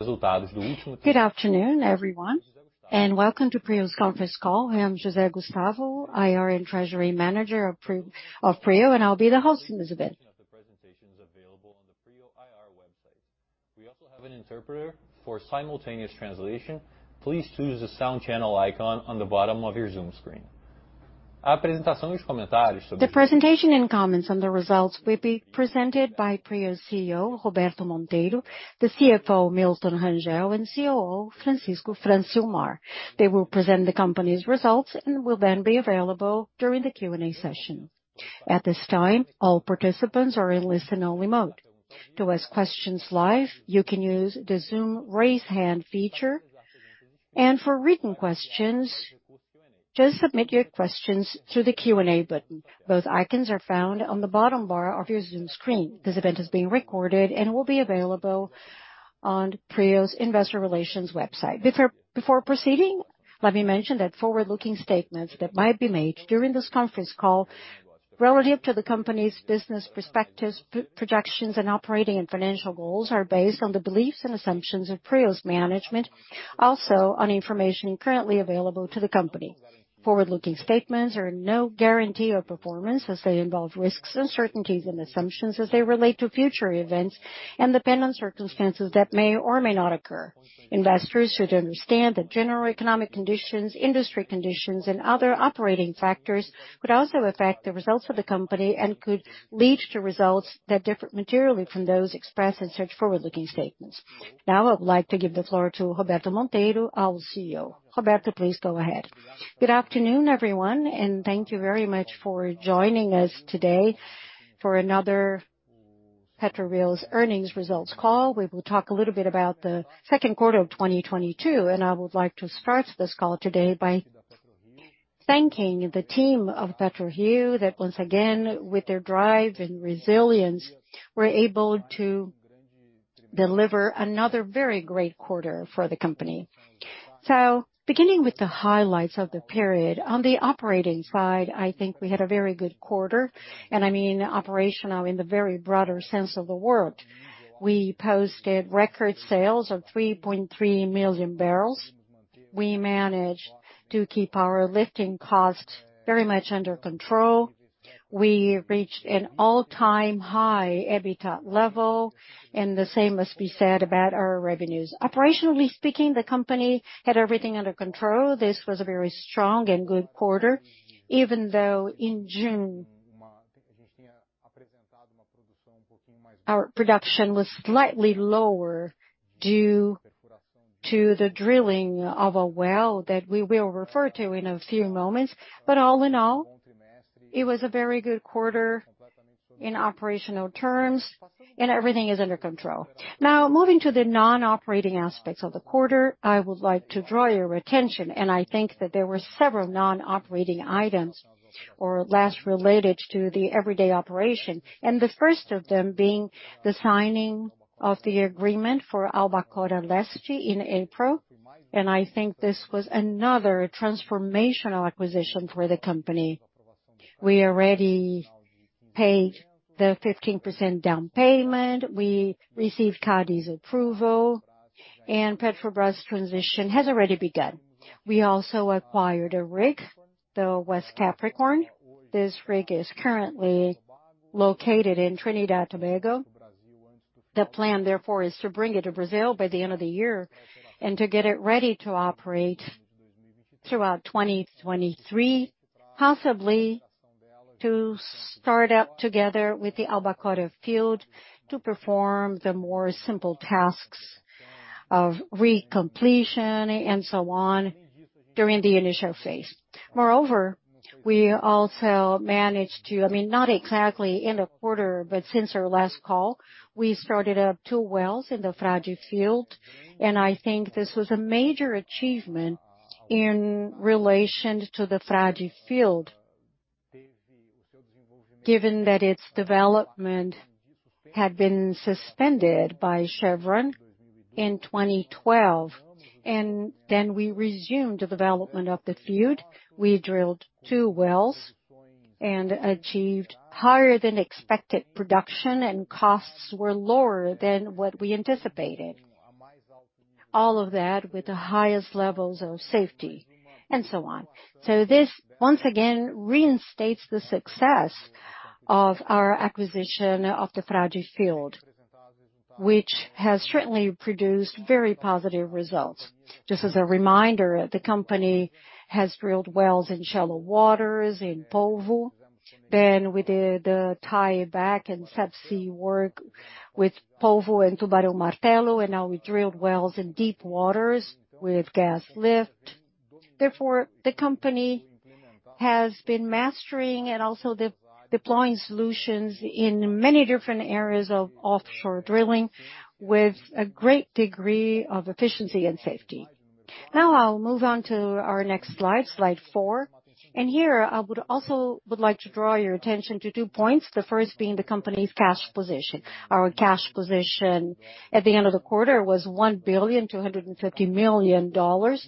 Good afternoon, everyone, and welcome to PRIO's conference call. I am José Gustavo, IR and Treasury Manager of PRIO, and I'll be the host of this event. Presentation is available on the PRIO IR website. We also have an interpreter for simultaneous translation. Please choose the sound channel icon on the bottom of your Zoom screen. The presentation and comments on the results will be presented by PRIO's CEO, Roberto Monteiro, the CFO, Milton Rangel, and COO, Francisco Francilmar. They will present the company's results and will then be available during the Q&A session. At this time, all participants are in listen-only mode. To ask questions live, you can use the Zoom Raise Hand feature, and for written questions, just submit your questions through the Q&A button. Both icons are found on the bottom bar of your Zoom screen. This event is being recorded and will be available on PRIO's Investor Relations website. Before proceeding, let me mention that forward-looking statements that might be made during this conference call relative to the company's business perspectives, projections, and operating and financial goals are based on the beliefs and assumptions of PRIO's management, also on information currently available to the company. Forward-looking statements are no guarantee of performance as they involve risks, uncertainties, and assumptions as they relate to future events and depend on circumstances that may or may not occur. Investors should understand that general economic conditions, industry conditions, and other operating factors could also affect the results of the company and could lead to results that differ materially from those expressed in such forward-looking statements. Now I would like to give the floor to Roberto Monteiro, our CEO. Roberto, please go ahead. Good afternoon, everyone, and thank you very much for joining us today for another PetroRio's earnings results call. We will talk a little bit about the second quarter of 2022, and I would like to start this call today by thanking the team of PetroRio that once again, with their drive and resilience, were able to deliver another very great quarter for the company. Beginning with the highlights of the period, on the operating side, I think we had a very good quarter, and I mean operational in the very broader sense of the word. We posted record sales of 3.3 million barrels. We managed to keep our lifting costs very much under control. We reached an all-time high EBITDA level, and the same must be said about our revenues. Operationally speaking, the company had everything under control. This was a very strong and good quarter, even though in June our production was slightly lower due to the drilling of a well that we will refer to in a few moments. All in all, it was a very good quarter in operational terms, and everything is under control. Now, moving to the non-operating aspects of the quarter, I would like to draw your attention, and I think that there were several non-operating items or less related to the everyday operation. The first of them being the signing of the agreement for Albacora Leste in April, and I think this was another transformational acquisition for the company. We already paid the 15% down payment. We received CADE's approval, and Petrobras' transition has already begun. We also acquired a rig, the West Capricorn. This rig is currently located in Trinidad, Tobago. The plan, therefore, is to bring it to Brazil by the end of the year and to get it ready to operate throughout 2023, possibly to start up together with the Albacora field to perform the more simple tasks of recompletion and so on during the initial phase. Moreover, we also managed to, I mean, not exactly in the quarter, but since our last call, we started up two wells in the Frade field, and I think this was a major achievement in relation to the Frade field, given that its development had been suspended by Chevron in 2012. We resumed the development of the field. We drilled two wells and achieved higher than expected production, and costs were lower than what we anticipated. All of that with the highest levels of safety and so on. This, once again, reinstates the success of our acquisition of the Frade field, which has certainly produced very positive results. Just as a reminder, the company has drilled wells in shallow waters in Polvo. We did the tieback and subsea work with Polvo and Tubarão Martelo, and now we drilled wells in deep waters with gas lift. Therefore, the company has been mastering and also deploying solutions in many different areas of offshore drilling with a great degree of efficiency and safety. Now I'll move on to our next slide four. Here, I would like to draw your attention to two points, the first being the company's cash position. Our cash position at the end of the quarter was $1.25 billion.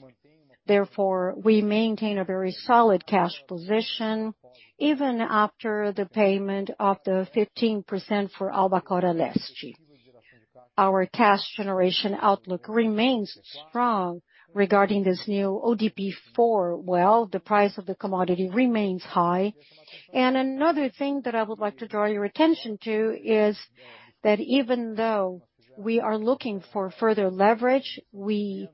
Therefore, we maintain a very solid cash position even after the payment of the 15% for Albacora Leste. Our cash generation outlook remains strong regarding this new ODP4 well. The price of the commodity remains high. Another thing that I would like to draw your attention to is that even though we are looking for further leverage, we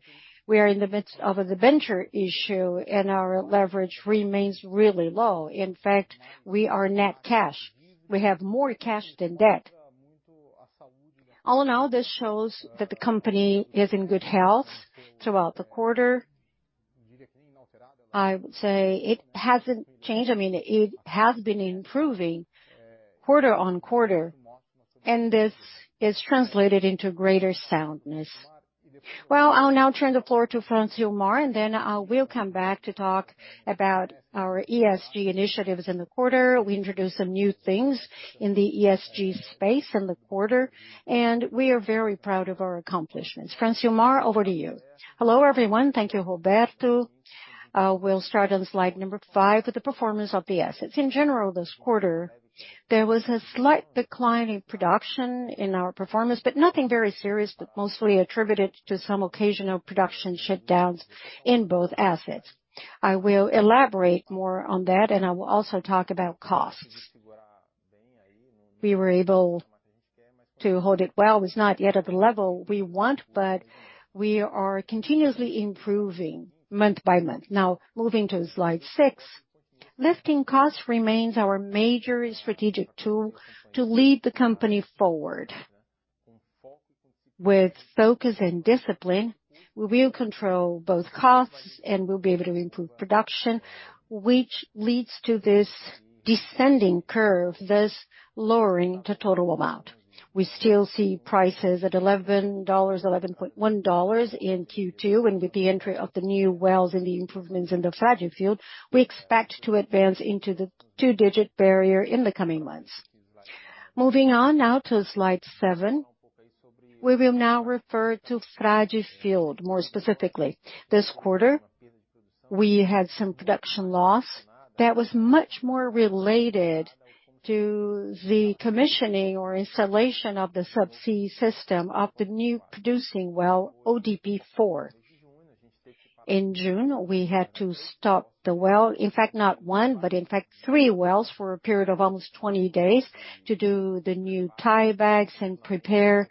are in the midst of the debenture issue, and our leverage remains really low. In fact, we are net cash. We have more cash than debt. All in all, this shows that the company is in good health throughout the quarter. I would say it hasn't changed. I mean, it has been improving quarter-over-quarter, and this is translated into greater soundness. Well, I'll now turn the floor to Francisco Francilmar, and then, we'll come back to talk about our ESG initiatives in the quarter. We introduced some new things in the ESG space in the quarter, and we are very proud of our accomplishments. Francisco Francilmar, over to you. Hello, everyone. Thank you, Roberto. We'll start on slide number five with the performance of the assets. In general this quarter, there was a slight decline in production in our performance, but nothing very serious, but mostly attributed to some occasional production shutdowns in both assets. I will elaborate more on that, and I will also talk about costs. We were able to hold it well. It's not yet at the level we want, but we are continuously improving month by month. Now moving to slide six. Lifting costs remains our major strategic tool to lead the company forward. With focus and discipline, we will control both costs, and we'll be able to improve production, which leads to this descending curve, thus lowering the total amount. We still see prices at $11, $11.1 in Q2, and with the entry of the new wells and the improvements in the Frade field, we expect to advance into the two-digit barrier in the coming months. Moving on now to slide seven. We will now refer to Frade field more specifically. This quarter, we had some production loss that was much more related to the commissioning or installation of the subsea system of the new producing well, ODP4. In June, we had to stop the well. In fact, not one, but in fact three wells for a period of almost 20 days to do the new tiebacks and prepare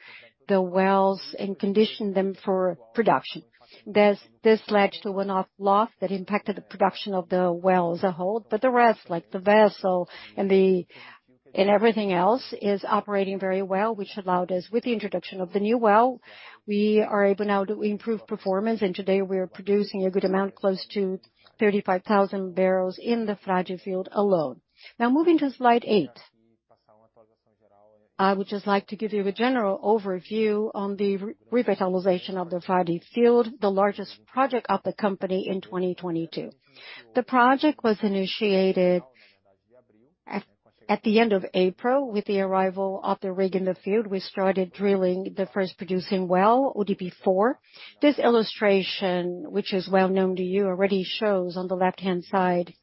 the wells and condition them for production. There's this that led to an overall loss that impacted the production of the well as a whole, but the rest, like the vessel and everything else, is operating very well, which allowed us, with the introduction of the new well, we are able now to improve performance, and today we are producing a good amount, close to 35,000 barrels in the Frade field alone. Now moving to slide eight. I would just like to give you a general overview on the revitalization of the Frade field, the largest project of the company in 2022. The project was initiated at the end of April with the arrival of the rig in the field. We started drilling the first producing well, ODP4. This illustration, which is well known to you already, shows on the left-hand side,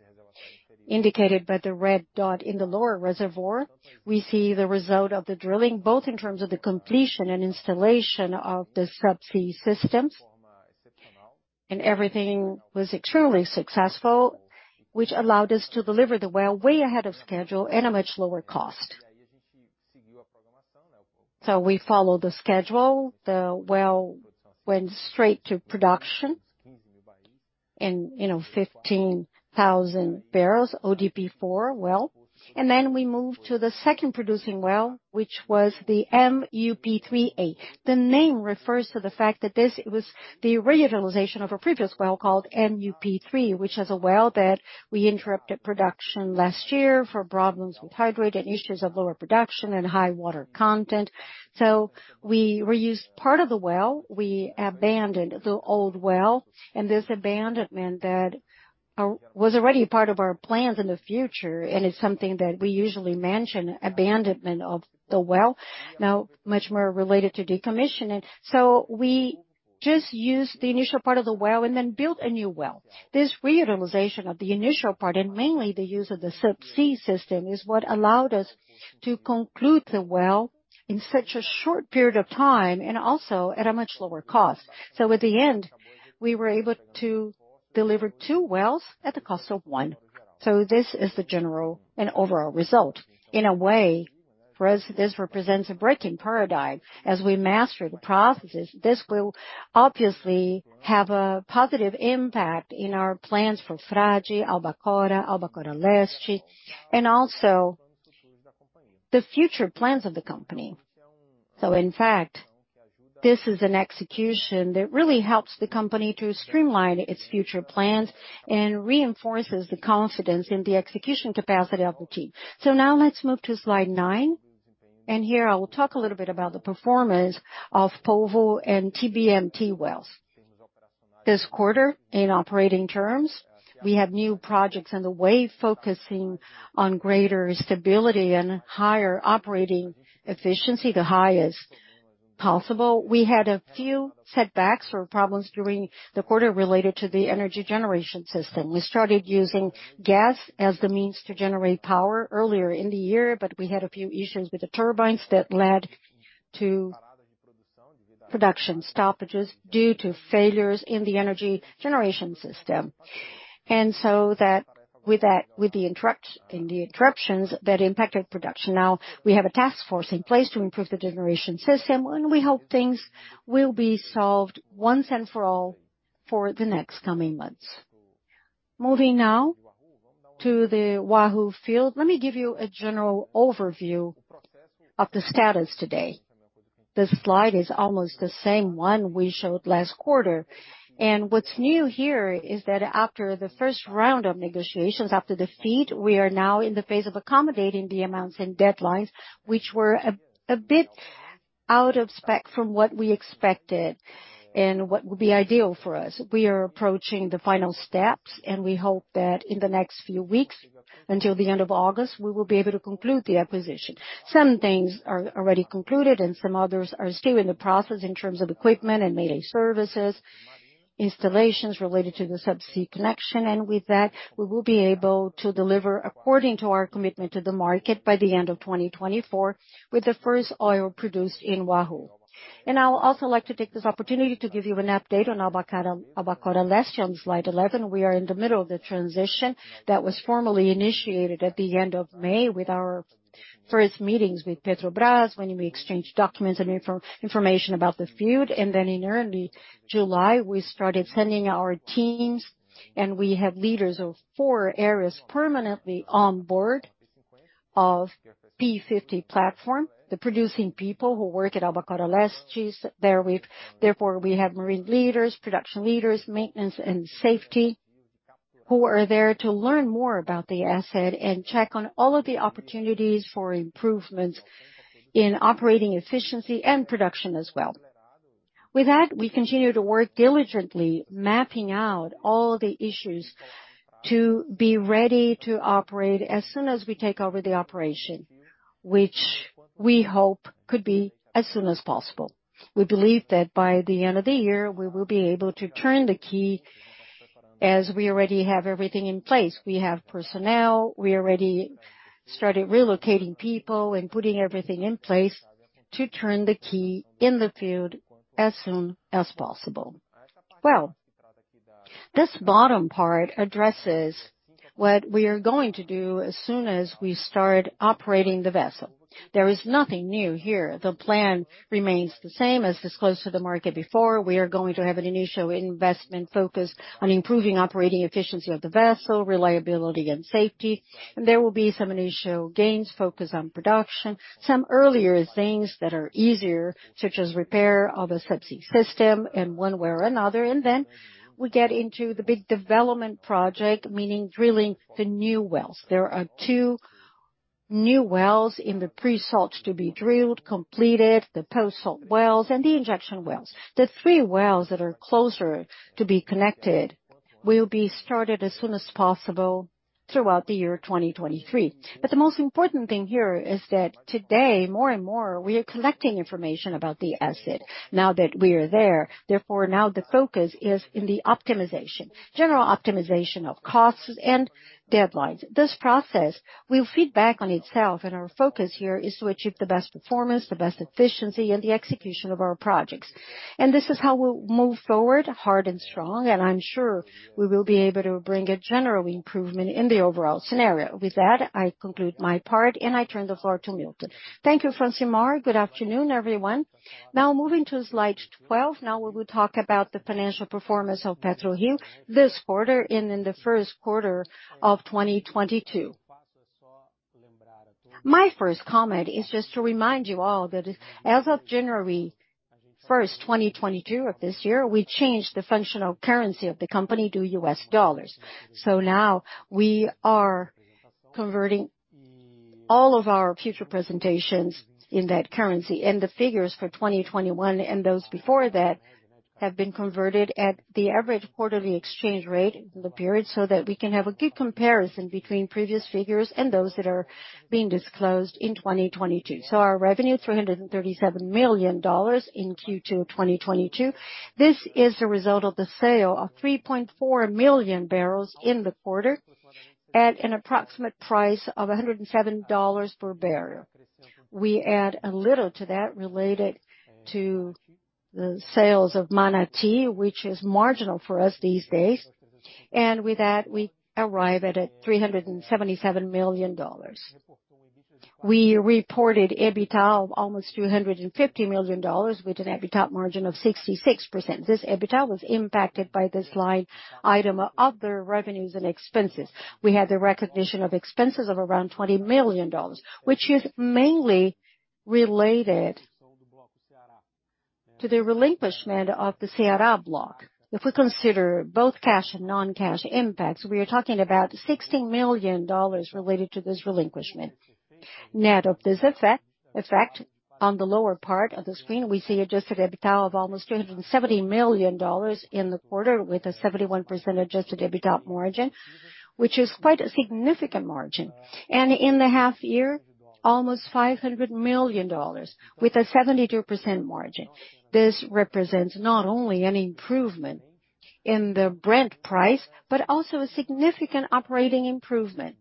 indicated by the red dot in the lower reservoir. We see the result of the drilling, both in terms of the completion and installation of the subsea systems. Everything was extremely successful, which allowed us to deliver the well way ahead of schedule at a much lower cost. We followed the schedule. The well went straight to production and, you know, 15,000 barrels ODP4 well. Then we moved to the second producing well, which was the MUP3A. The name refers to the fact that this was the reutilization of a previous well called MUP3, which is a well that we interrupted production last year for problems with hydrate and issues of lower production and high water content. We reused part of the well. We abandoned the old well and this abandonment that was already a part of our plans in the future and is something that we usually mention, abandonment of the well, now much more related to decommissioning. We just used the initial part of the well and then built a new well. This reutilization of the initial part and mainly the use of the subsea system is what allowed us to conclude the well in such a short period of time and also at a much lower cost. At the end, we were able to deliver two wells at the cost of one. This is the general and overall result. In a way, for us, this represents a breaking paradigm. As we master the processes, this will obviously have a positive impact in our plans for Frade, Albacora Leste and also the future plans of the company. In fact, this is an execution that really helps the company to streamline its future plans and reinforces the confidence in the execution capacity of the team. Now let's move to slide nine, and here I will talk a little bit about the performance of Polvo and TBMT wells. This quarter, in operating terms, we have new projects in the way, focusing on greater stability and higher operating efficiency, the highest possible. We had a few setbacks or problems during the quarter related to the energy generation system. We started using gas as the means to generate power earlier in the year, but we had a few issues with the turbines that led to production stoppages due to failures in the energy generation system, the interruptions that impacted production. Now we have a task force in place to improve the generation system, and we hope things will be solved once and for all for the next coming months. Moving now to the Wahoo field, let me give you a general overview of the status today. The slide is almost the same one we showed last quarter. What's new here is that after the first round of negotiations, after the feed, we are now in the phase of accommodating the amounts and deadlines, which were a bit out of spec from what we expected and what would be ideal for us. We are approaching the final steps, and we hope that in the next few weeks, until the end of August, we will be able to conclude the acquisition. Some things are already concluded and some others are still in the process in terms of equipment and maintenance services, installations related to the subsea connection. With that, we will be able to deliver according to our commitment to the market by the end of 2024, with the first oil produced in Wahoo. I would also like to take this opportunity to give you an update on Albacora Leste on slide 11. We are in the middle of the transition that was formally initiated at the end of May with our first meetings with Petrobras, when we exchanged documents and information about the field. In early July, we started sending our teams, and we have leaders of four areas permanently on board of P-50 platform. The producing people who work at Albacora Leste, she's there with. Therefore, we have marine leaders, production leaders, maintenance and safety, who are there to learn more about the asset and check on all of the opportunities for improvements in operating efficiency and production as well. With that, we continue to work diligently, mapping out all the issues to be ready to operate as soon as we take over the operation, which we hope could be as soon as possible. We believe that by the end of the year, we will be able to turn the key as we already have everything in place. We have personnel. We already started relocating people and putting everything in place to turn the key in the field as soon as possible. Well, this bottom part addresses what we are going to do as soon as we start operating the vessel. There is nothing new here. The plan remains the same as disclosed to the market before. We are going to have an initial investment focus on improving operating efficiency of the vessel, reliability and safety. There will be some initial gains focused on production. Some earlier things that are easier, such as repair of a subsea system and one way or another, and then we get into the big development project, meaning drilling the new wells. There are two new wells in the pre-salt to be drilled, completed, the post-salt wells and the injection wells. The three wells that are closer to be connected will be started as soon as possible throughout the year 2023. The most important thing here is that today, more and more, we are collecting information about the asset now that we are there. Therefore, now the focus is in the optimization, general optimization of costs and deadlines. This process will feed back on itself, and our focus here is to achieve the best performance, the best efficiency in the execution of our projects. This is how we'll move forward, hard and strong, and I'm sure we will be able to bring a general improvement in the overall scenario. With that, I conclude my part and I turn the floor to Milton. Thank you, Francilmar. Good afternoon, everyone. Now moving to slide 12. Now we will talk about the financial performance of PetroRio this quarter and in the first quarter of 2022. My first comment is just to remind you all that as of January 1st, 2022 of this year, we changed the functional currency of the company to US dollars. Now we are converting all of our future presentations in that currency. The figures for 2021 and those before that have been converted at the average quarterly exchange rate in the period, so that we can have a good comparison between previous figures and those that are being disclosed in 2022. Our revenue, $337 million in Q2 of 2022. This is a result of the sale of 3.4 million barrels in the quarter at an approximate price of $107 per barrel. We add a little to that related to the sales of Manati, which is marginal for us these days. With that, we arrive at $377 million. We reported EBITDA of almost $250 million with an EBITDA margin of 66%. This EBITDA was impacted by this line item of other revenues and expenses. We had the recognition of expenses of around $20 million, which is mainly related to the relinquishment of the Ceará block. If we consider both cash and non-cash impacts, we are talking about $16 million related to this relinquishment. Net of this effect, on the lower part of the screen, we see adjusted EBITDA of almost $270 million in the quarter with a 71% adjusted EBITDA margin, which is quite a significant margin. In the half year, almost $500 million with a 72% margin. This represents not only an improvement in the Brent price, but also a significant operating improvement,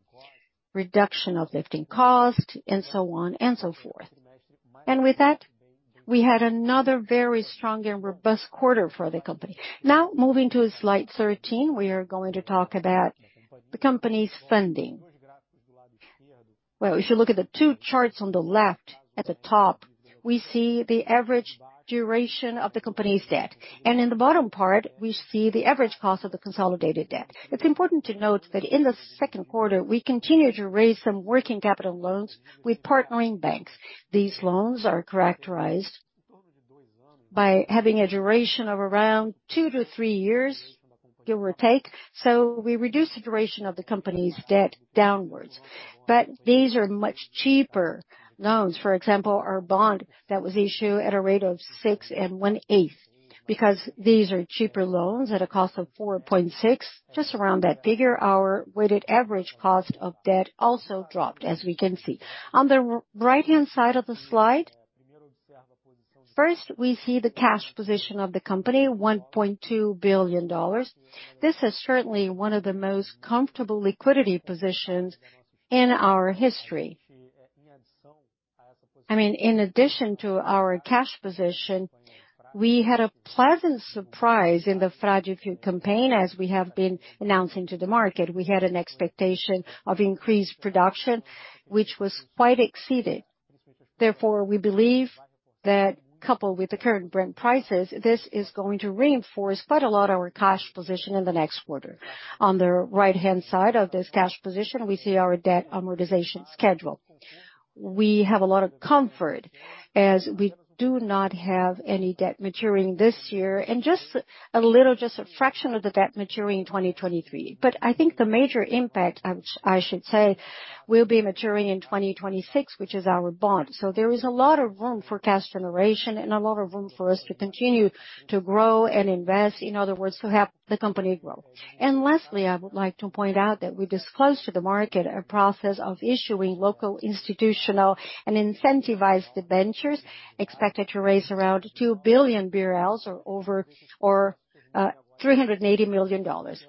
reduction of lifting costs and so on and so forth. With that, we had another very strong and robust quarter for the company. Now moving to slide 13, we are going to talk about the company's funding. Well, if you look at the two charts on the left, at the top, we see the average duration of the company's debt, and in the bottom part, we see the average cost of the consolidated debt. It's important to note that in the second quarter, we continued to raise some working capital loans with partnering banks. These loans are characterized by having a duration of around two to three years, give or take, so we reduce the duration of the company's debt downwards. These are much cheaper loans. For example, our bond that was issued at a rate of 6.125%, because these are cheaper loans at a cost of 4.6%, just around that figure, our weighted average cost of debt also dropped, as we can see. On the right-hand side of the slide, first, we see the cash position of the company, $1.2 billion. This is certainly one of the most comfortable liquidity positions in our history. I mean, in addition to our cash position, we had a pleasant surprise in the Frade field campaign, as we have been announcing to the market. We had an expectation of increased production, which was quite exceeded. Therefore, we believe that coupled with the current Brent prices, this is going to reinforce quite a lot our cash position in the next quarter. On the right-hand side of this cash position, we see our debt amortization schedule. We have a lot of comfort, as we do not have any debt maturing this year, and just a little, just a fraction of the debt maturing in 2023. I think the major impact, I should say, will be maturing in 2026, which is our bond. There is a lot of room for cash generation and a lot of room for us to continue to grow and invest, in other words, to help the company grow. Lastly, I would like to point out that we disclosed to the market a process of issuing local, institutional and incentivized ventures expected to raise around 2 billion BRL or over $380 million.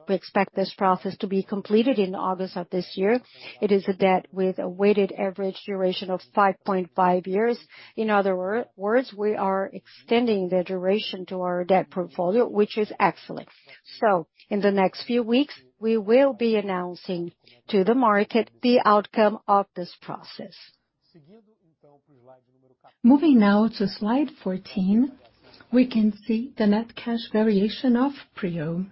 We expect this process to be completed in August of this year. It is a debt with a weighted average duration of 5.5 years. In other words, we are extending the duration to our debt portfolio, which is excellent. In the next few weeks, we will be announcing to the market the outcome of this process. Moving now to slide 14, we can see the net cash variation of PRIO.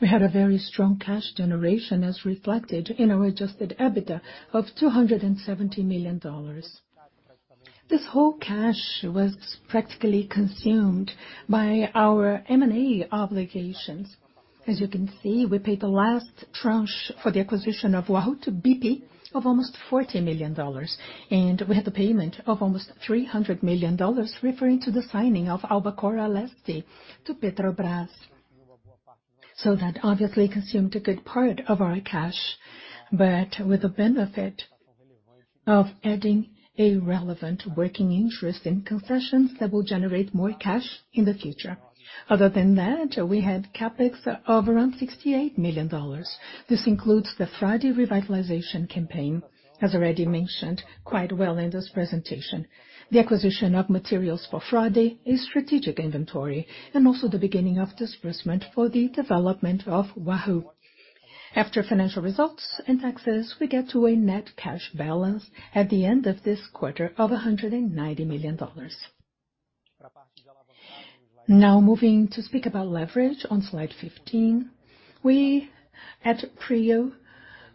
We had a very strong cash generation as reflected in our adjusted EBITDA of $270 million. This whole cash was practically consumed by our M&A obligations. As you can see, we paid the last tranche for the acquisition of Wahoo to BP of almost $40 million, and we had the payment of almost $300 million referring to the signing of Albacora Leste to Petrobras. That obviously consumed a good part of our cash, but with the benefit of adding a relevant working interest in concessions that will generate more cash in the future. Other than that, we had CapEx of around $68 million. This includes the Frade revitalization campaign, as already mentioned quite well in this presentation. The acquisition of materials for Frade is strategic inventory, and also the beginning of disbursement for the development of Wahoo. After financial results and taxes, we get to a net cash balance at the end of this quarter of $190 million. Now moving to speak about leverage on slide 15. We at PRIO,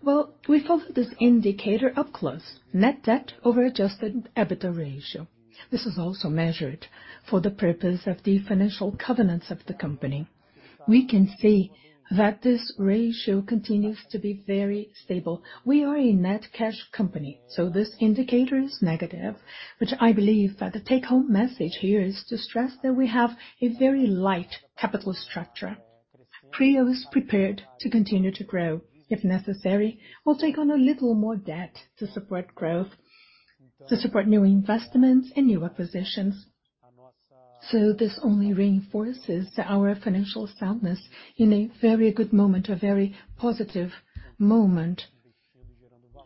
well, we follow this indicator up close, net debt over adjusted EBITDA ratio. This is also measured for the purpose of the financial covenants of the company. We can see that this ratio continues to be very stable. We are a net cash company, so this indicator is negative, but I believe that the take-home message here is to stress that we have a very light capital structure. PRIO is prepared to continue to grow. If necessary, we'll take on a little more debt to support growth, to support new investments and new acquisitions. This only reinforces our financial soundness in a very good moment, a very positive moment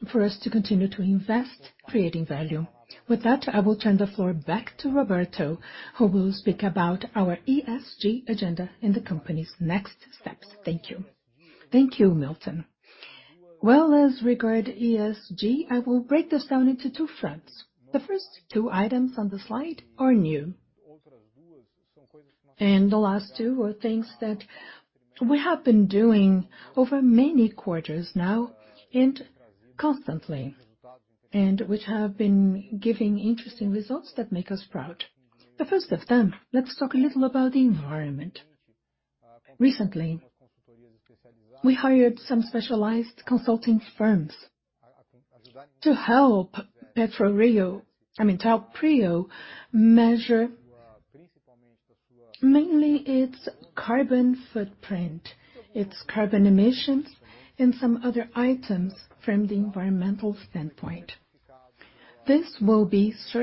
for us to continue to invest, creating value. With that, I will turn the floor back to Roberto, who will speak about our ESG agenda and the company's next steps. Thank you. Thank you, Milton. Well, as regards ESG, I will break this down into two fronts. The first two items on the slide are new. The last two are things that we have been doing over many quarters now and constantly, and which have been giving interesting results that make us proud. The first of them, let's talk a little about the environment. Recently, we hired some specialized consulting firms to help PRIO measure mainly its carbon footprint, its carbon emissions, and some other items from the environmental standpoint. These measurements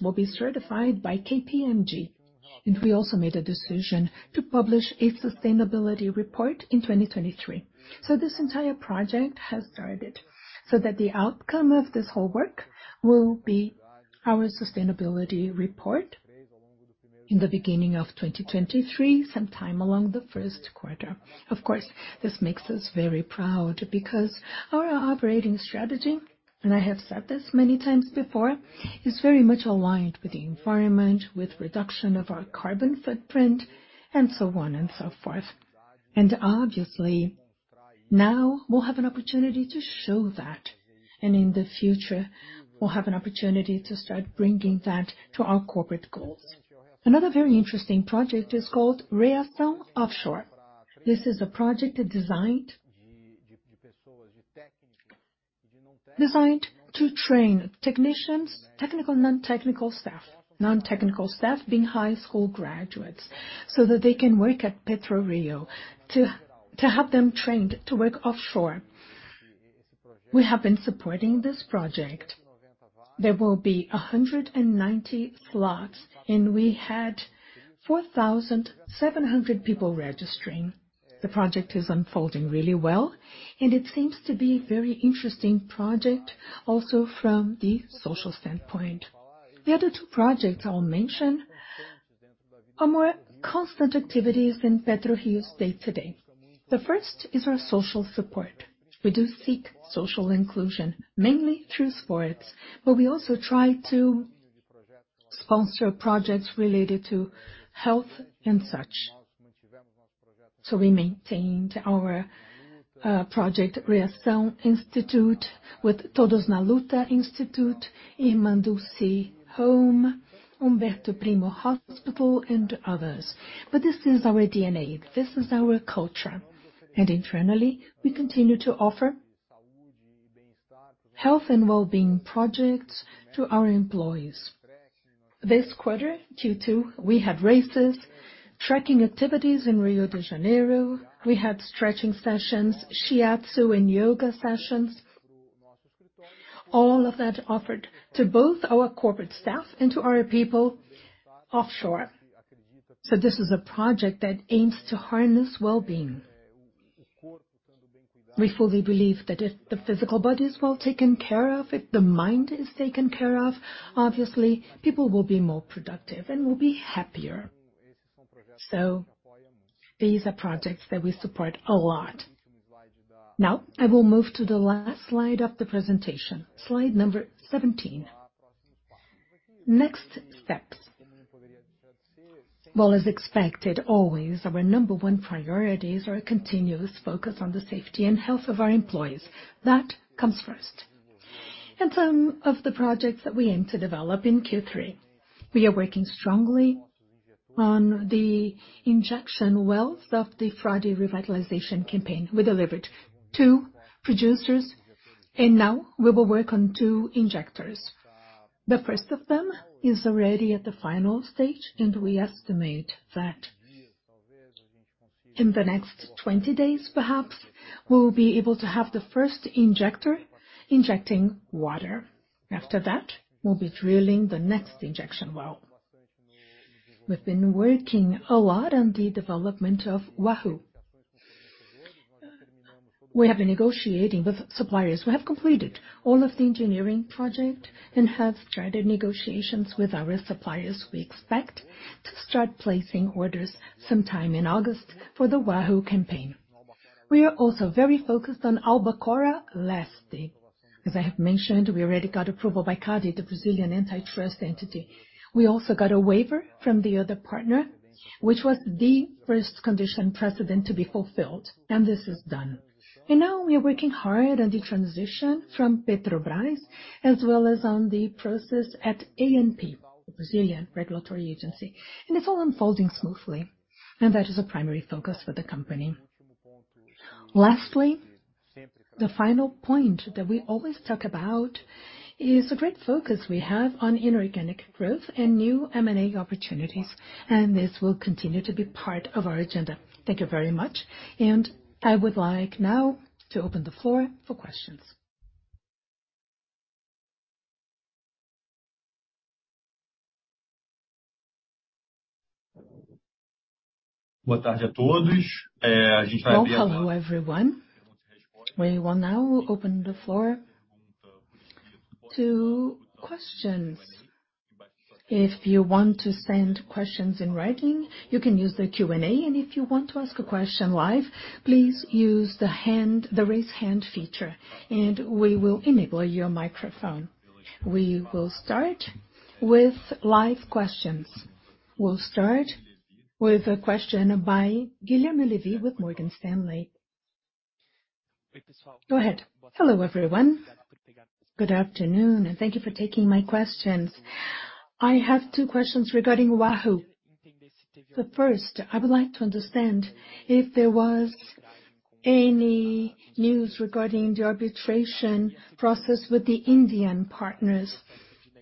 will be certified by KPMG. We also made a decision to publish a sustainability report in 2023. This entire project has started, so that the outcome of this whole work will be our sustainability report in the beginning of 2023, sometime along the first quarter. Of course, this makes us very proud because our operating strategy, and I have said this many times before, is very much aligned with the environment, with reduction of our carbon footprint and so on and so forth. Obviously, now we'll have an opportunity to show that. In the future, we'll have an opportunity to start bringing that to our corporate goals. Another very interesting project is called Reação Offshore. This is a project designed to train technical and non-technical staff. Non-technical staff being high school graduates, so that they can work at PRIO. To have them trained to work offshore. We have been supporting this project. There will be 190 slots, and we had 4,700 people registering. The project is unfolding really well, and it seems to be very interesting project also from the social standpoint. The other two projects I'll mention are more constant activities in PRIO's day-to-day. The first is our social support. We do seek social inclusion, mainly through sports, but we also try to sponsor projects related to health and such. We maintained our project Instituto Reação with Instituto Todos na Luta, Obras Sociais Irmã Dulce, Hospital Umberto Primo and others. This is our DNA, this is our culture. Internally, we continue to offer health and well-being projects to our employees. This quarter, Q2, we had races, trekking activities in Rio de Janeiro. We had stretching sessions, shiatsu and yoga sessions. All of that offered to both our corporate staff and to our people offshore. This is a project that aims to harness well-being. We fully believe that if the physical body is well taken care of, if the mind is taken care of, obviously people will be more productive and will be happier. These are projects that we support a lot. Now I will move to the last slide of the presentation, slide number 17. Next steps. Well, as expected, always our number one priorities are a continuous focus on the safety and health of our employees. That comes first. Some of the projects that we aim to develop in Q3. We are working strongly on the injection wells of the Frade revitalization campaign. We delivered two producers, and now we will work on two injectors. The first of them is already at the final stage, and we estimate that in the next 20 days perhaps, we'll be able to have the first injector injecting water. After that, we'll be drilling the next injection well. We've been working a lot on the development of Wahoo. We have been negotiating with suppliers. We have completed all of the engineering project and have started negotiations with our suppliers. We expect to start placing orders sometime in August for the Wahoo campaign. We are also very focused on Albacora Leste. As I have mentioned, we already got approval by CADE, the Brazilian antitrust entity. We also got a waiver from the other partner, which was the first condition precedent to be fulfilled, and this is done. Now we are working hard on the transition from Petrobras as well as on the process at ANP, the Brazilian regulatory agency. It's all unfolding smoothly, and that is a primary focus for the company. Lastly, the final point that we always talk about is the great focus we have on inorganic growth and new M&A opportunities, and this will continue to be part of our agenda. Thank you very much. I would like now to open the floor for questions. Well, hello everyone. We will now open the floor to questions. If you want to send questions in writing, you can use the Q&A. If you want to ask a question live, please use the hand, the Raise Hand feature, and we will enable your microphone. We will start with live questions. We'll start with a question by Guilherme Levy with Morgan Stanley. Go ahead. Hello, everyone. Good afternoon, and thank you for taking my questions. I have two questions regarding Wahoo. The first, I would like to understand if there was any news regarding the arbitration process with the Indian partners.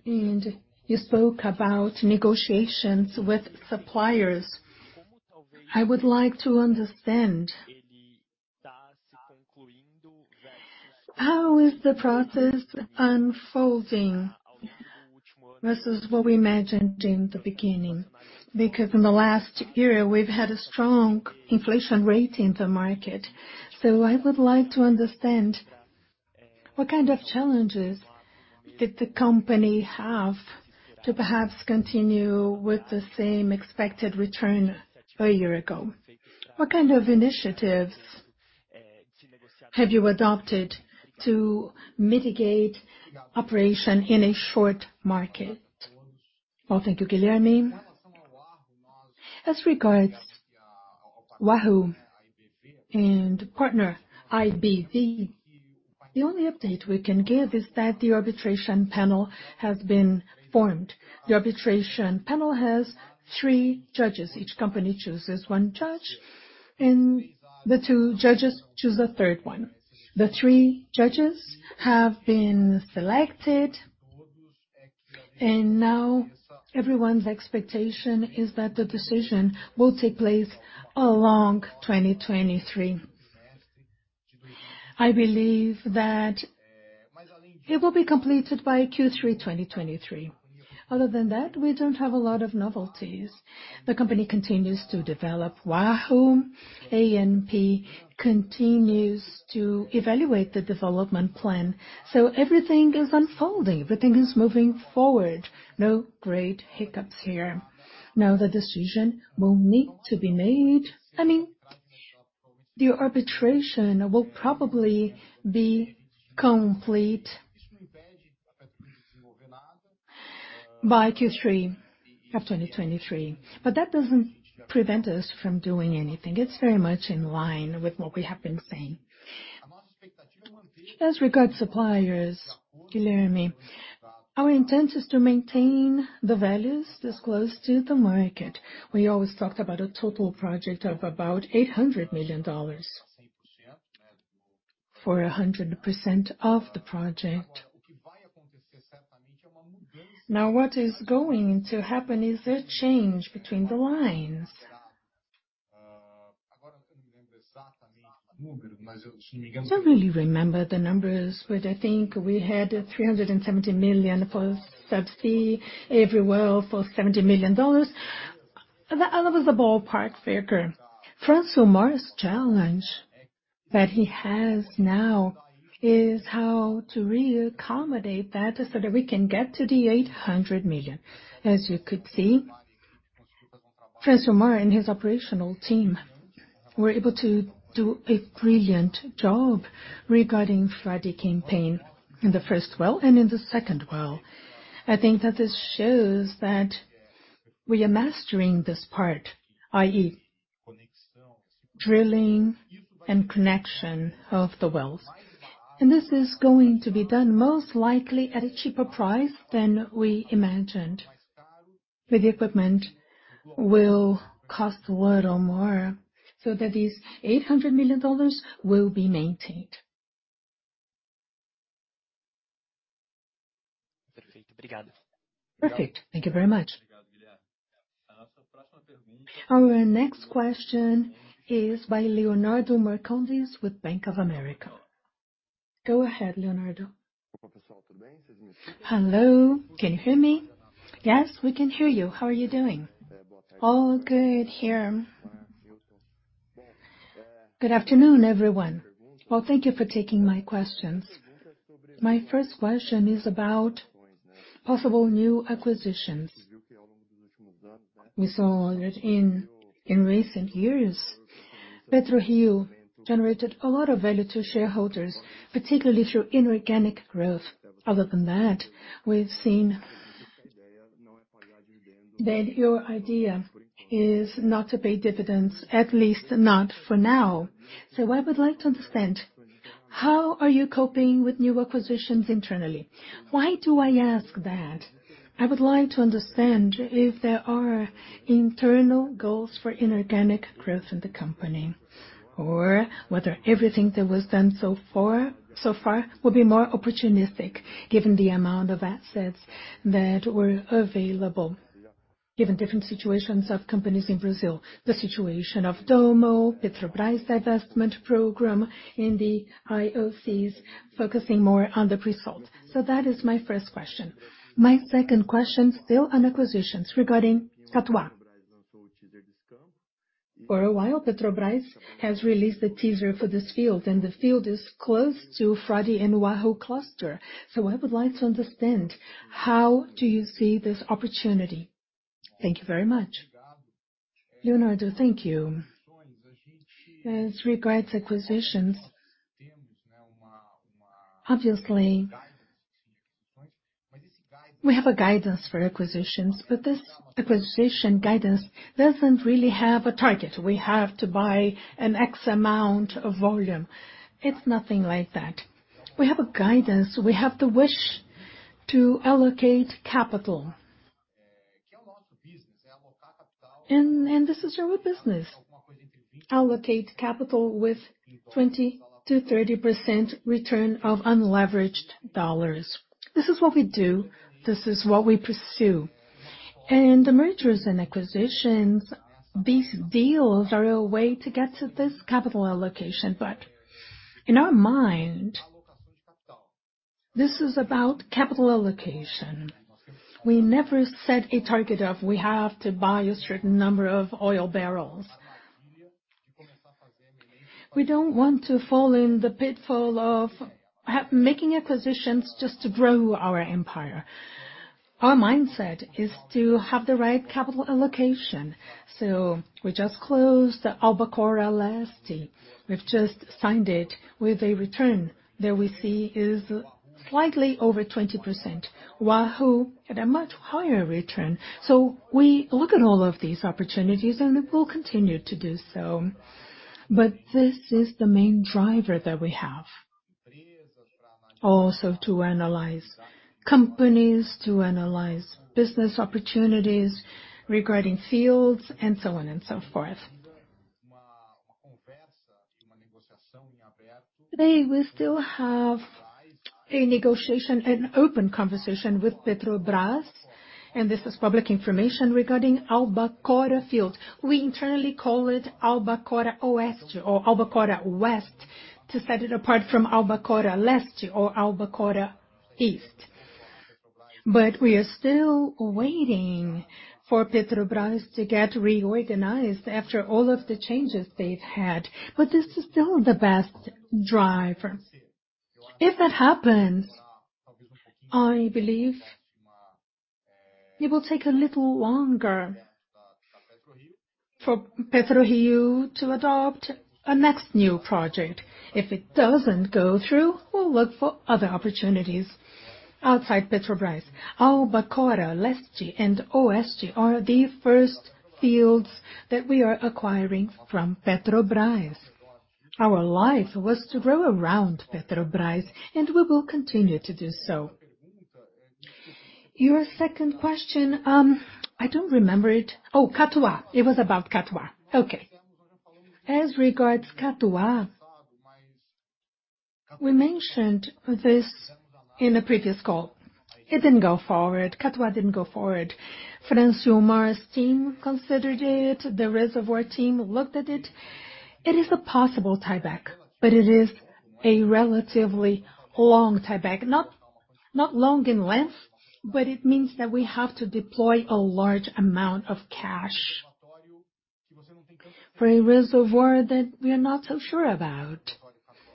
You spoke about negotiations with suppliers. I would like to understand how is the process unfolding versus what we imagined in the beginning. Because in the last year we've had a strong inflation rate in the market. I would like to understand what kind of challenges did the company have to perhaps continue with the same expected return a year ago. What kind of initiatives have you adopted to mitigate operation in a short market? Well, thank you, Guilherme. As regards Wahoo and partner IBV, the only update we can give is that the arbitration panel has been formed. The arbitration panel has three judges. Each company chooses one judge, and the two judges choose a third one. The three judges have been selected and now everyone's expectation is that the decision will take place along 2023. I believe that it will be completed by Q3 2023. Other than that, we don't have a lot of novelties. The company continues to develop Wahoo. ANP continues to evaluate the development plan. Everything is unfolding, everything is moving forward. No great hiccups here. Now the decision will need to be made. I mean, the arbitration will probably be complete by Q3 of 2023. That doesn't prevent us from doing anything. It's very much in line with what we have been saying. As regards suppliers, Guilherme, our intent is to maintain the values disclosed to the market. We always talked about a total project of about $800 million for 100% of the project. Now what is going to happen is a change between the lines. Don't really remember the numbers, but I think we had $370 million for subsea, every well for $70 million. That was a ballpark figure. Francilmar's challenge that he has now is how to re-accommodate that so that we can get to the $800 million. As you could see, Francilmar Fernandes and his operational team were able to do a brilliant job regarding Frade campaign in the first well and in the second well. I think that this shows that we are mastering this part, i.e., drilling and connection of the wells. This is going to be done most likely at a cheaper price than we imagined. The equipment will cost a little more so that this $800 million will be maintained. Perfect. Thank you very much. Our next question is by Leonardo Marcondes with Bank of America. Go ahead, Leonardo. Hello. Can you hear me? Yes, we can hear you. How are you doing? All good here. Good afternoon, everyone. Well, thank you for taking my questions. My first question is about possible new acquisitions. We saw that in recent years, PetroRio generated a lot of value to shareholders, particularly through inorganic growth. Other than that, we've seen that your idea is not to pay dividends, at least not for now. I would like to understand how are you coping with new acquisitions internally? Why do I ask that? I would like to understand if there are internal goals for inorganic growth in the company or whether everything that was done so far will be more opportunistic given the amount of assets that were available, given different situations of companies in Brazil, the situation of Dommo, Petrobras divestment program, and the IOCs focusing more on the pre-salt. That is my first question. My second question, still on acquisitions regarding Catuá. For a while, Petrobras has released the teaser for this field, and the field is close to Frade and Wahoo cluster. I would like to understand how do you see this opportunity? Thank you very much. Leonardo, thank you. As regards acquisitions, obviously, we have a guidance for acquisitions, but this acquisition guidance doesn't really have a target. We have to buy an X amount of volume. It's nothing like that. We have a guidance. We have the wish to allocate capital. This is our business, allocate capital with 20%-30% return of unleveraged dollars. This is what we do, this is what we pursue. The mergers and acquisitions, these deals are a way to get to this capital allocation. In our mind, this is about capital allocation. We never set a target of we have to buy a certain number of oil barrels. We don't want to fall in the pitfall of making acquisitions just to grow our empire. Our mindset is to have the right capital allocation. We just closed Albacora Leste. We've just signed it with a return that we see is slightly over 20%. Wahoo had a much higher return. We look at all of these opportunities, and we will continue to do so. This is the main driver that we have. Also to analyze companies, to analyze business opportunities regarding fields and so on and so forth. Today, we still have a negotiation and open conversation with Petrobras, and this is public information regarding Albacora field. We internally call it Albacora Oeste or Albacora West to set it apart from Albacora Leste or Albacora East. We are still waiting for Petrobras to get reorganized after all of the changes they've had. This is still the best driver. If that happens, I believe it will take a little longer for PetroRio to adopt a next new project. If it doesn't go through, we'll look for other opportunities outside Petrobras. Albacora Leste and Oeste are the first fields that we are acquiring from Petrobras. Our life was to grow around Petrobras, and we will continue to do so. Your second question, I don't remember it. Catuá. It was about Catuá. Okay. As regards Catuá, we mentioned this in a previous call. It didn't go forward. Catuá didn't go forward. Francisco Francilmar's team considered it. The reservoir team looked at it. It is a possible tieback, but it is a relatively long tieback. Not long in length, but it means that we have to deploy a large amount of cash for a reservoir that we are not so sure about.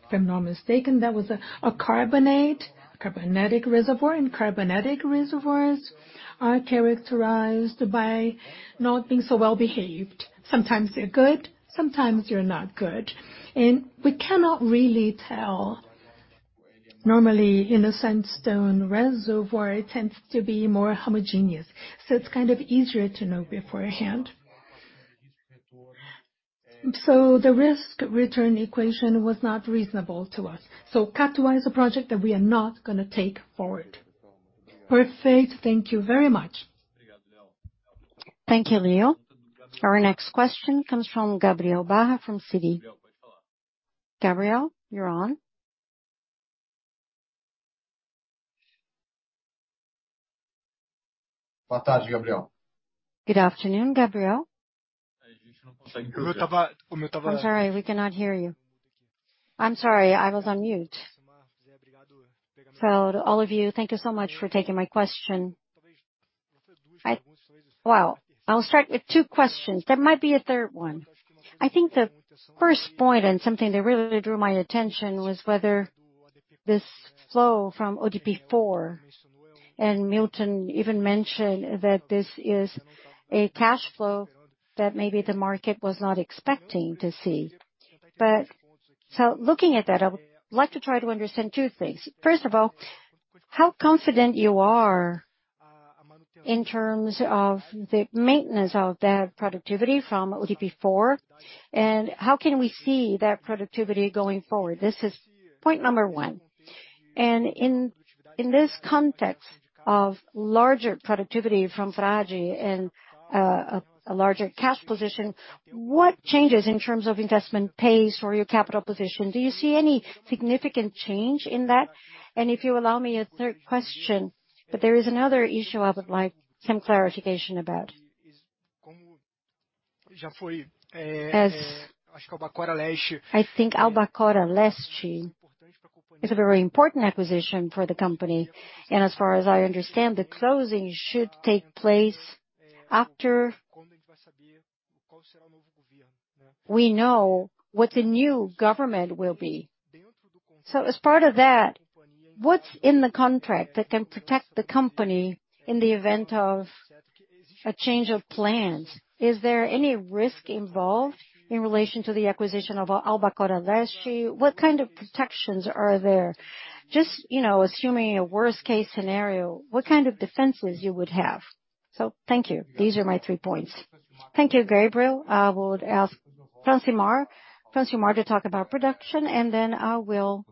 If I'm not mistaken, that was a carbonate, a carbonatic reservoir. Carbonatic reservoirs are characterized by not being so well-behaved. Sometimes they're good, sometimes they're not good. We cannot really tell. Normally, in a sandstone reservoir, it tends to be more homogeneous, so it's kind of easier to know beforehand. The risk-return equation was not reasonable to us. Catuá is a project that we are not gonna take forward. Perfect. Thank you very much. Thank you, Leo. Our next question comes from Gabriel Barra from Citi. Gabriel, you're on. Good afternoon, Gabriel. I'm sorry, we cannot hear you. I'm sorry, I was on mute. To all of you, thank you so much for taking my question. Well, I'll start with two questions. There might be a third one. I think the first point and something that really drew my attention was whether this flow from ODP4, and Milton even mentioned that this is a cash flow that maybe the market was not expecting to see. Looking at that, I would like to try to understand two things. First of all, how confident you are in terms of the maintenance of that productivity from ODP4, and how can we see that productivity going forward? This is point number one. In this context of larger productivity from Frade and a larger cash position, what changes in terms of investment pace or your capital position? Do you see any significant change in that? If you allow me a third question, but there is another issue I would like some clarification about. As I think Albacora Leste is a very important acquisition for the company. As far as I understand, the closing should take place after we know what the new government will be. As part of that, what's in the contract that can protect the company in the event of a change of plans? Is there any risk involved in relation to the acquisition of Albacora Leste? What kind of protections are there? Just, you know, assuming a worst case scenario, what kind of defenses you would have? Thank you. These are my three points. Thank you, Gabriel. I would ask Francilmar to talk about production, and then I will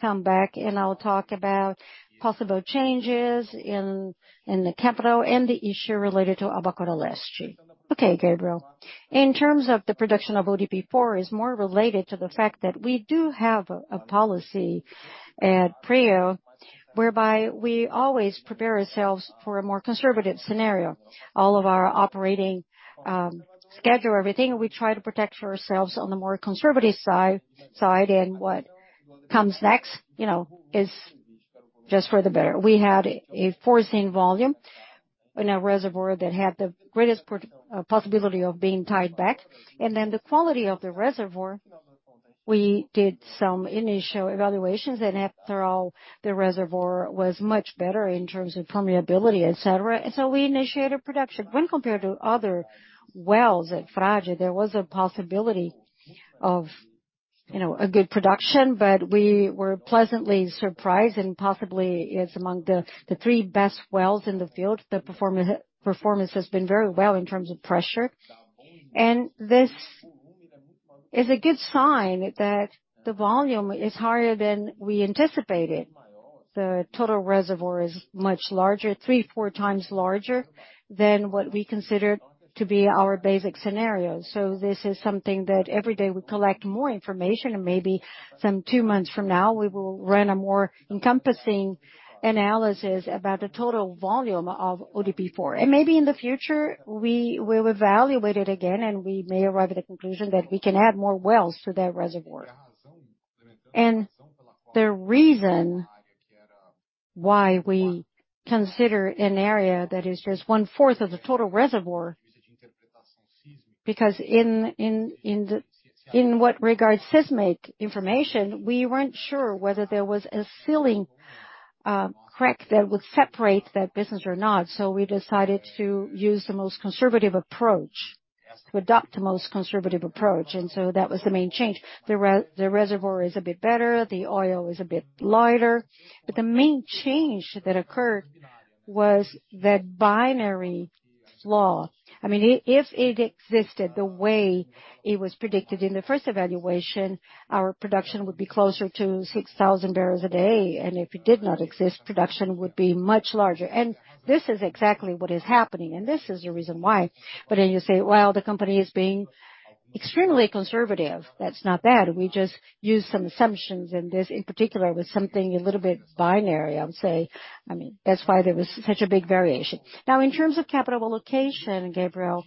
come back and I'll talk about possible changes in the capital and the issue related to Albacora Leste. Okay, Gabriel. In terms of the production of ODP4 is more related to the fact that we do have a policy at PRIO, whereby we always prepare ourselves for a more conservative scenario. All of our operating schedule, everything, we try to protect ourselves on the more conservative side and what comes next, you know, is just for the better. We had a foreseen volume in a reservoir that had the greatest possibility of being tied back. Then the quality of the reservoir, we did some initial evaluations, and after all, the reservoir was much better in terms of permeability, etc. We initiated production. When compared to other wells at Frade, there was a possibility of, you know, a good production, but we were pleasantly surprised, and possibly it's among the three best wells in the field. The performance has been very well in terms of pressure. This is a good sign that the volume is higher than we anticipated. The total reservoir is much larger, three, four times larger than what we considered to be our basic scenario. This is something that every day we collect more information, and maybe some two months from now, we will run a more encompassing analysis about the total volume of ODP4. Maybe in the future, we will evaluate it again, and we may arrive at a conclusion that we can add more wells to that reservoir. The reason why we consider an area that is just one-fourth of the total reservoir, because in what regards seismic information, we weren't sure whether there was a sealing crack that would separate that basin or not. We decided to use the most conservative approach. That was the main change. The reservoir is a bit better, the oil is a bit lighter. The main change that occurred was that boundary fault. I mean, if it existed the way it was predicted in the first evaluation, our production would be closer to 6,000 barrels a day. If it did not exist, production would be much larger. This is exactly what is happening, and this is the reason why. You say, "Well, the company is being extremely conservative." That's not bad. We just use some assumptions, and this in particular was something a little bit binary, I would say. I mean, that's why there was such a big variation. Now, in terms of capital allocation, Gabriel,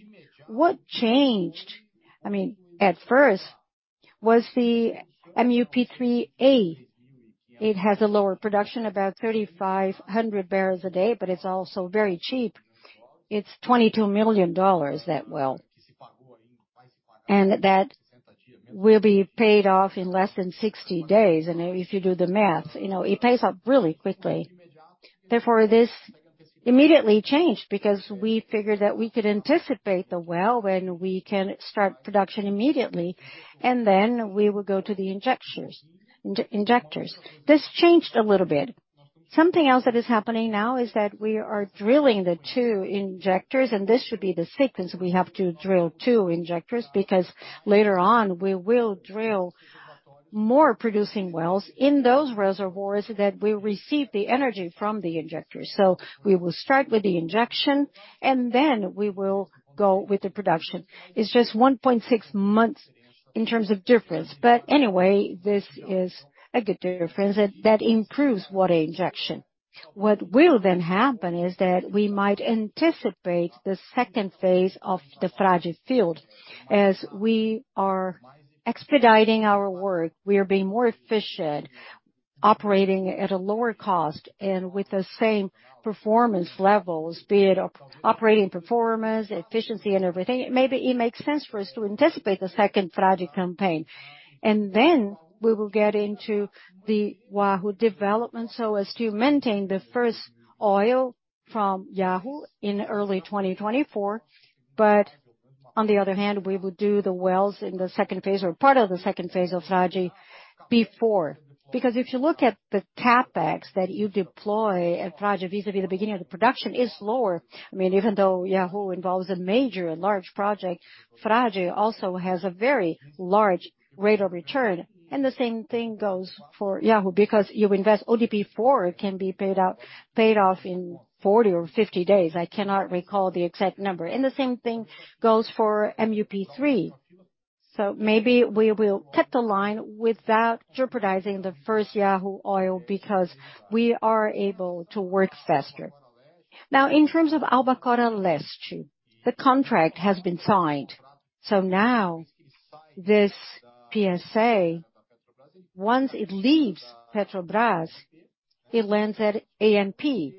what changed, I mean, at first was the MUP3A. It has a lower production, about 3,500 barrels a day, but it's also very cheap. It's $22 million, that well. That will be paid off in less than 60 days. If you do the math, you know, it pays off really quickly. Therefore, this immediately changed because we figured that we could anticipate the well when we can start production immediately. We will go to the injectors. This changed a little bit. Something else that is happening now is that we are drilling the two injectors, and this should be the sequence. We have to drill two injectors, because later on, we will drill more producing wells in those reservoirs that will receive the energy from the injectors. We will start with the injection, and then we will go with the production. It's just 1.6 months in terms of difference. Anyway, this is a good difference that improves water injection. What will then happen is that we might anticipate the second phase of the Frade field. As we are expediting our work, we are being more efficient, operating at a lower cost and with the same performance levels, be it operating performance, efficiency and everything. Maybe it makes sense for us to anticipate the second Frade campaign. Then we will get into the Wahoo development so as to maintain the first oil from Wahoo in early 2024. On the other hand, we would do the wells in the second phase or part of the second phase of Frade before. Because if you look at the CapEx that you deploy at Frade vis-à-vis the beginning of the production is lower. I mean, even though Wahoo involves a major large project, Frade also has a very large rate of return. The same thing goes for Wahoo, because you invest ODP4 can be paid off in 40 or 50 days. I cannot recall the exact number. The same thing goes for MUP3. Maybe we will cut the timeline without jeopardizing the first Wahoo oil because we are able to work faster. Now, in terms of Albacora Leste, the contract has been signed. Now this PSA, once it leaves Petrobras, it lands at ANP.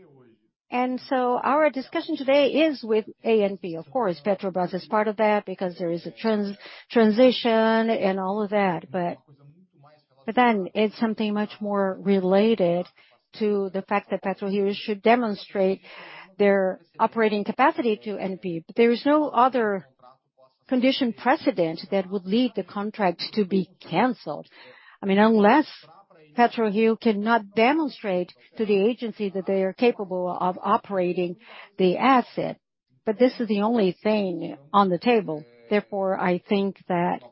Our discussion today is with ANP. Of course, Petrobras is part of that because there is a transition and all of that. Then it's something much more related to the fact that Petrobras should demonstrate their operating capacity to ANP. There is no other condition precedent that would lead the contract to be canceled. I mean, unless PetroRio cannot demonstrate to the agency that they are capable of operating the asset. This is the only thing on the table. Therefore, I think that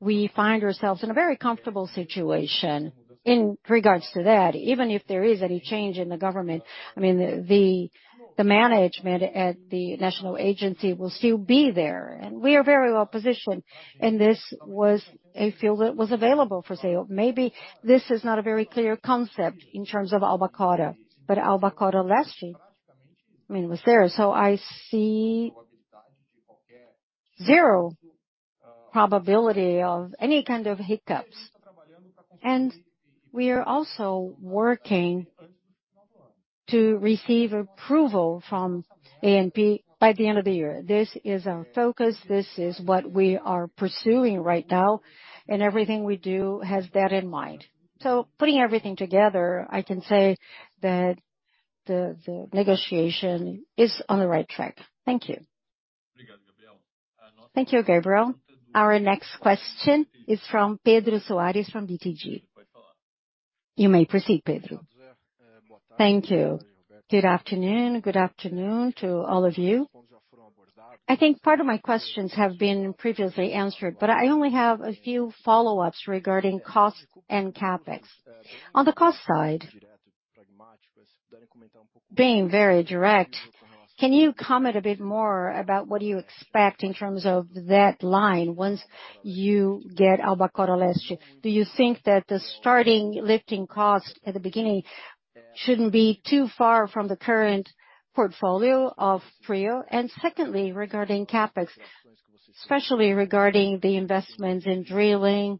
we find ourselves in a very comfortable situation in regards to that. Even if there is any change in the government, I mean, the management at the national agency will still be there. We are very well positioned, and this was a field that was available for sale. Maybe this is not a very clear concept in terms of Albacora, but Albacora Leste, I mean, was there. I see zero probability of any kind of hiccups. We are also working to receive approval from ANP by the end of the year. This is our focus. This is what we are pursuing right now, and everything we do has that in mind. Putting everything together, I can say that the negotiation is on the right track. Thank you. Thank you, Gabriel. Our next question is from Pedro Soares, from BTG. You may proceed, Pedro. Thank you. Good afternoon. Good afternoon to all of you. I think part of my questions have been previously answered, but I only have a few follow-ups regarding costs and CapEx. On the cost side, being very direct, can you comment a bit more about what you expect in terms of that line once you get Albacora Leste? Do you think that the starting lifting cost at the beginning shouldn't be too far from the current portfolio of PRIO? And secondly, regarding CapEx, especially regarding the investments in drilling,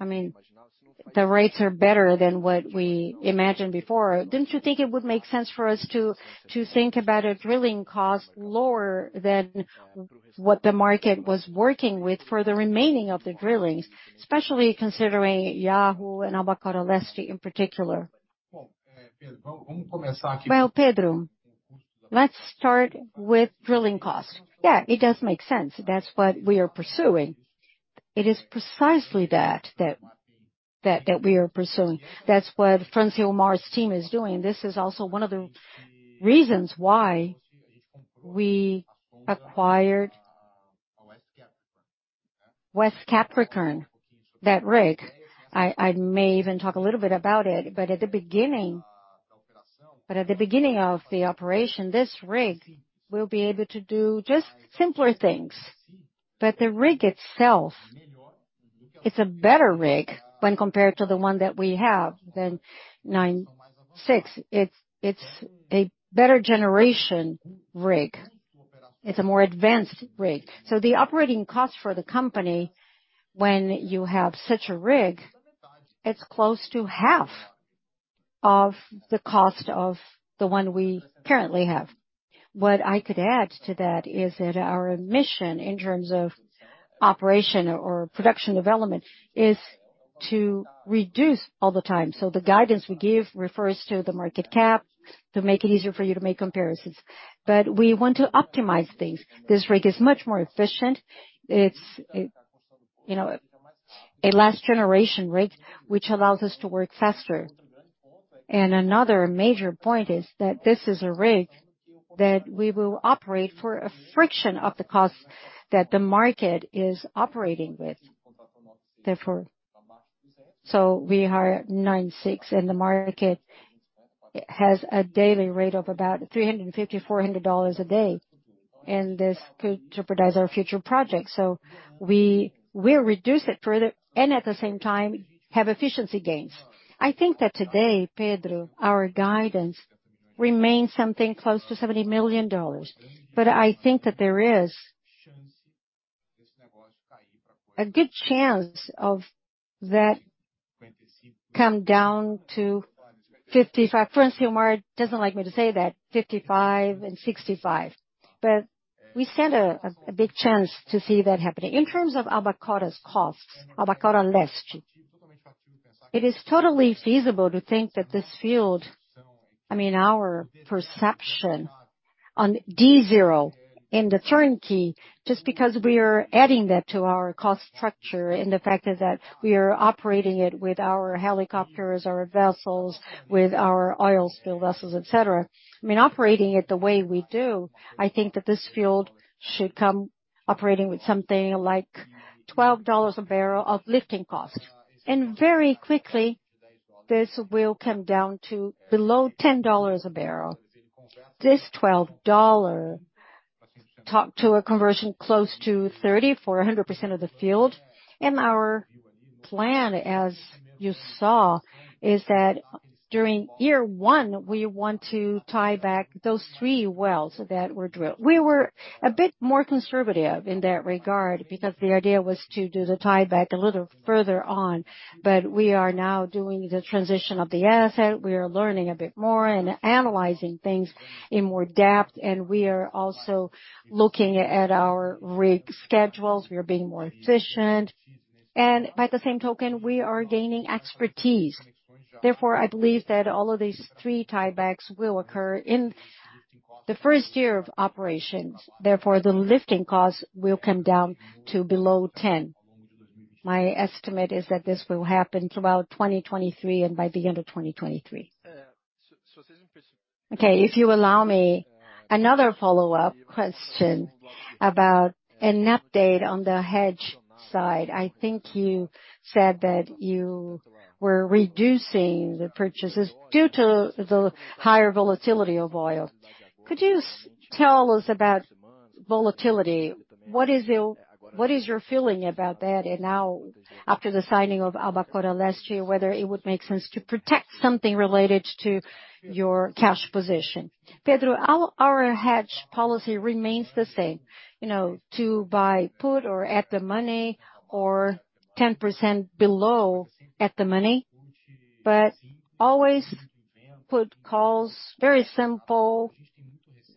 I mean, the rates are better than what we imagined before. Don't you think it would make sense for us to think about a drilling cost lower than what the market was working with for the remaining of the drillings? Especially considering Wahoo and Albacora Leste in particular. Well, Pedro, let's start with drilling costs. Yeah, it does make sense. That's what we are pursuing. It is precisely that we are pursuing. That's what Francisco Francilmar's team is doing. This is also one of the reasons why we acquired West Capricorn, that rig. I may even talk a little bit about it, but at the beginning of the operation, this rig will be able to do just simpler things. The rig itself is a better rig when compared to the one that we have, than nine-six. It's a better generation rig. It's a more advanced rig. The operating cost for the company when you have such a rig, it's close to half of the cost of the one we currently have. What I could add to that is that our mission in terms of operation or production development is to reduce all the time. The guidance we give refers to the market cap to make it easier for you to make comparisons. We want to optimize things. This rig is much more efficient. It's, you know, a last generation rig, which allows us to work faster. Another major point is that this is a rig that we will operate for a fraction of the cost that the market is operating with. We hire $96,000, and the market has a daily rate of about $350,000-$400,000 a day, and this could jeopardize our future projects. We will reduce it further and at the same time have efficiency gains. I think that today, Pedro, our guidance remains something close to $70 million, but I think that there is a good chance of that come down to $55 million. Francisco Francilmar doesn't like me to say that. $55 million and $65 million. We stand a big chance to see that happening. In terms of Albacora's costs, Albacora Leste, it is totally feasible to think that this field, I mean, our perception on D zero in the turnkey, just because we are adding that to our cost structure and the fact that we are operating it with our helicopters, our vessels, with our oil spill vessels, et cetera. I mean, operating it the way we do, I think that this field should come operating with something like $12 a barrel of lifting cost. Very quickly, this will come down to below $10 a barrel. This $12 talks to a conversion close to 30 for 100% of the field. Our plan, as you saw, is that during year one, we want to tie back those three wells that were drilled. We were a bit more conservative in that regard because the idea was to do the tieback a little further on. We are now doing the transition of the asset. We are learning a bit more and analyzing things in more depth. We are also looking at our rig schedules. We are being more efficient. By the same token, we are gaining expertise. Therefore, I believe that all of these three tiebacks will occur in the first year of operations. Therefore, the lifting costs will come down to below $10. My estimate is that this will happen throughout 2023 and by the end of 2023. Okay. If you allow me another follow-up question about an update on the hedge side. I think you said that you were reducing the purchases due to the higher volatility of oil. Could you tell us about volatility? What is your feeling about that, and now after the signing of Albacora last year, whether it would make sense to protect something related to your cash position? Pedro, our hedge policy remains the same, you know, to buy put or at-the-money or 10% below at-the-money, but always put calls very simple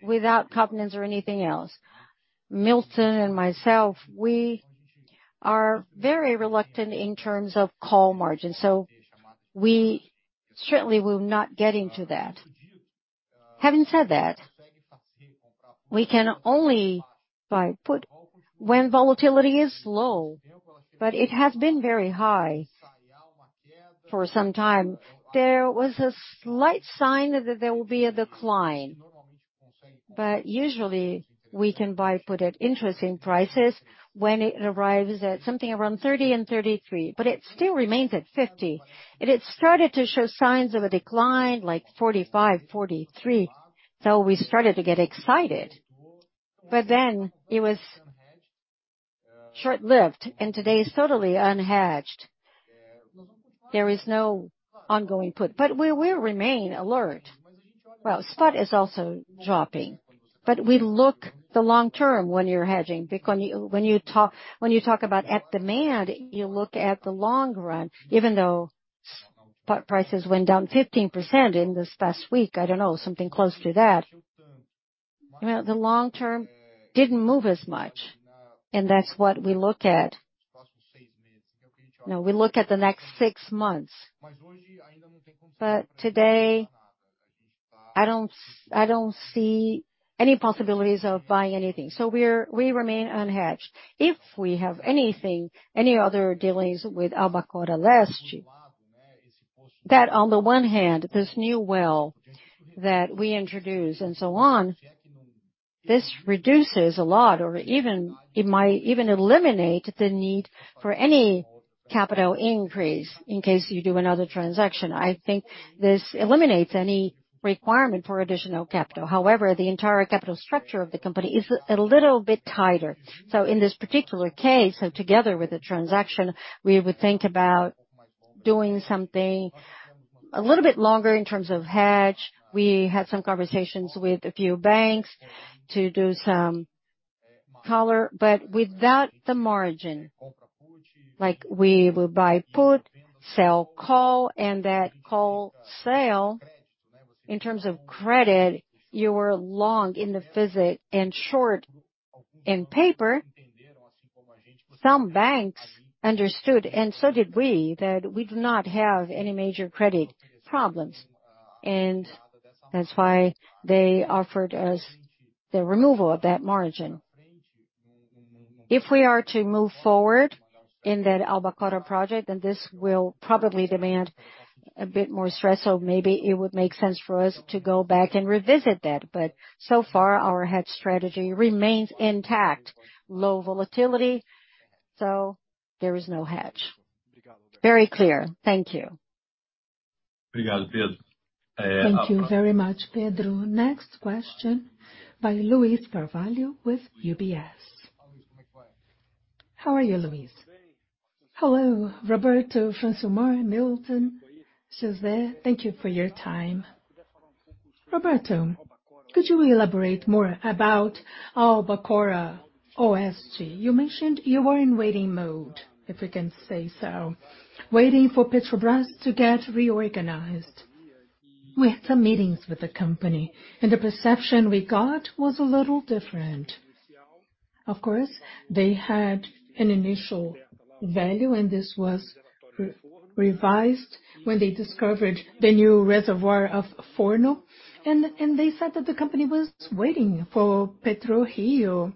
without covenants or anything else. Milton Rangel and myself, we are very reluctant in terms of margin calls, so we certainly will not get into that. Having said that, we can only buy put when volatility is low, but it has been very high for some time. There was a slight sign that there will be a decline. Usually, we can buy put at interesting prices when it arrives at something around $30 million and $33 million. It still remains at $50 million. It had started to show signs of a decline like $45 million, $43 million. We started to get excited. Then it was short-lived and today is totally unhedged. There is no ongoing put, but we will remain alert. Well, spot is also dropping, but we look at the long-term when you're hedging, because when you talk about demand, you look at the long run. Even though spot prices went down 15% in this past week, I don't know, something close to that. You know, the long-term didn't move as much, and that's what we look at. You know, we look at the next six months. But today, I don't see any possibilities of buying anything. We're unhedged. If we have any other dealings with Albacora last year, that on the one hand, this new well that we introduced and so on, this reduces a lot or even it might even eliminate the need for any capital increase in case you do another transaction. I think this eliminates any requirement for additional capital. However, the entire capital structure of the company is a little bit tighter. In this particular case, so together with the transaction, we would think about doing something a little bit longer in terms of hedge. We had some conversations with a few banks to do some collar, but without the margin. Like we will buy put, sell call, and that call sale in terms of credit, you were long in the physical and short in paper. Some banks understood, and so did we, that we do not have any major credit problems, and that's why they offered us the removal of that margin. If we are to move forward in that Albacora project, then this will probably demand a bit more stress. Maybe it would make sense for us to go back and revisit that. So far, our hedge strategy remains intact. Low volatility, so there is no hedge. Very clear. Thank you. Thank you very much, Pedro. Next question by Luiz Carvalho with UBS. How are you, Luiz? Hello, Roberto, Francilmar, Milton, José. Thank you for your time. Roberto, could you elaborate more about Albacora Oeste? You mentioned you were in waiting mode, if we can say so, waiting for Petrobras to get reorganized. We had some meetings with the company, and the perception we got was a little different. Of course, they had an initial value, and this was revised when they discovered the new reservoir of Forno, and they said that the company was waiting for PetroRio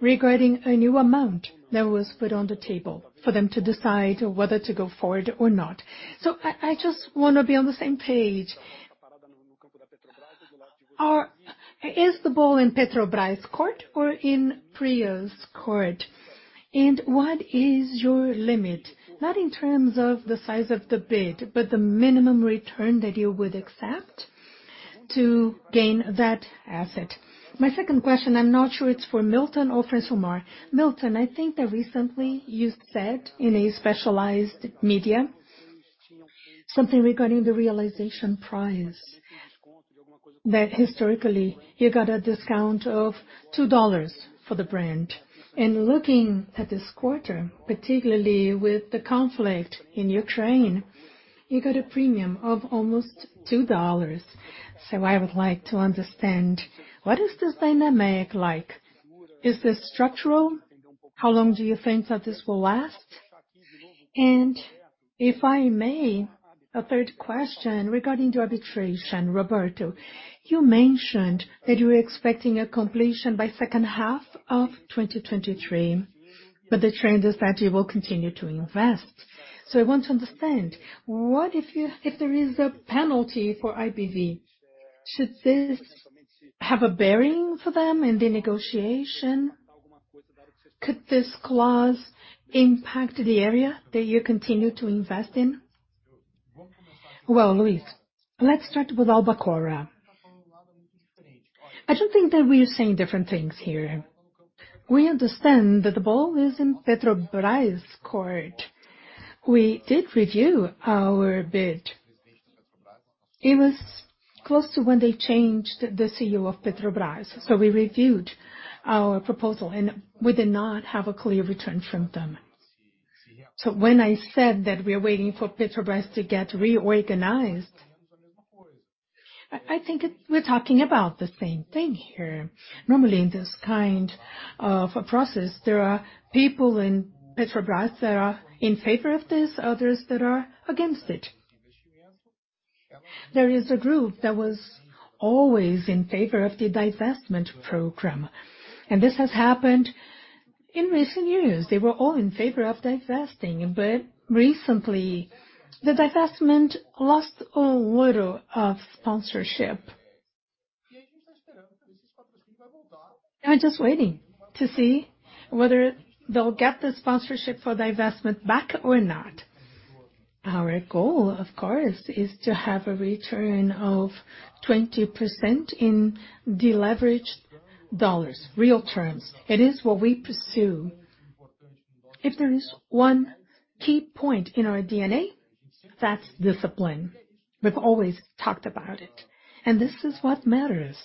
regarding a new amount that was put on the table for them to decide whether to go forward or not. I just wanna be on the same page. Is the ball in Petrobras' court or in PRIO's court? And what is your limit? Not in terms of the size of the bid, but the minimum return that you would accept to gain that asset. My second question, I'm not sure it's for Milton or Francilmar. Milton, I think that recently you said in a specialized media something regarding the realization price, that historically you got a discount of $2 for the Brent. Looking at this quarter, particularly with the conflict in Ukraine, you got a premium of almost $2. I would like to understand what is this dynamic like? Is this structural? How long do you think that this will last? If I may, a third question regarding the arbitration, Roberto. You mentioned that you were expecting a completion by second half of 2023, but the trend is that you will continue to invest. I want to understand, what if there is a penalty for IBV, should this have a bearing for them in the negotiation? Could this clause impact the area that you continue to invest in? Well, Luiz, let's start with Albacora. I don't think that we're saying different things here. We understand that the ball is in Petrobras court. We did review our bid. It was close to when they changed the CEO of Petrobras, so we reviewed our proposal, and we did not have a clear return from them. When I said that we are waiting for Petrobras to get reorganized, I think we're talking about the same thing here. Normally, in this kind of a process, there are people in Petrobras that are in favor of this, others that are against it. There is a group that was always in favor of the divestment program, and this has happened in recent years. They were all in favor of divesting, but recently, the divestment lost a little of sponsorship. They're just waiting to see whether they'll get the sponsorship for divestment back or not. Our goal, of course, is to have a return of 20% in deleveraged dollars, real terms. It is what we pursue. If there is one key point in our DNA, that's discipline. We've always talked about it, and this is what matters.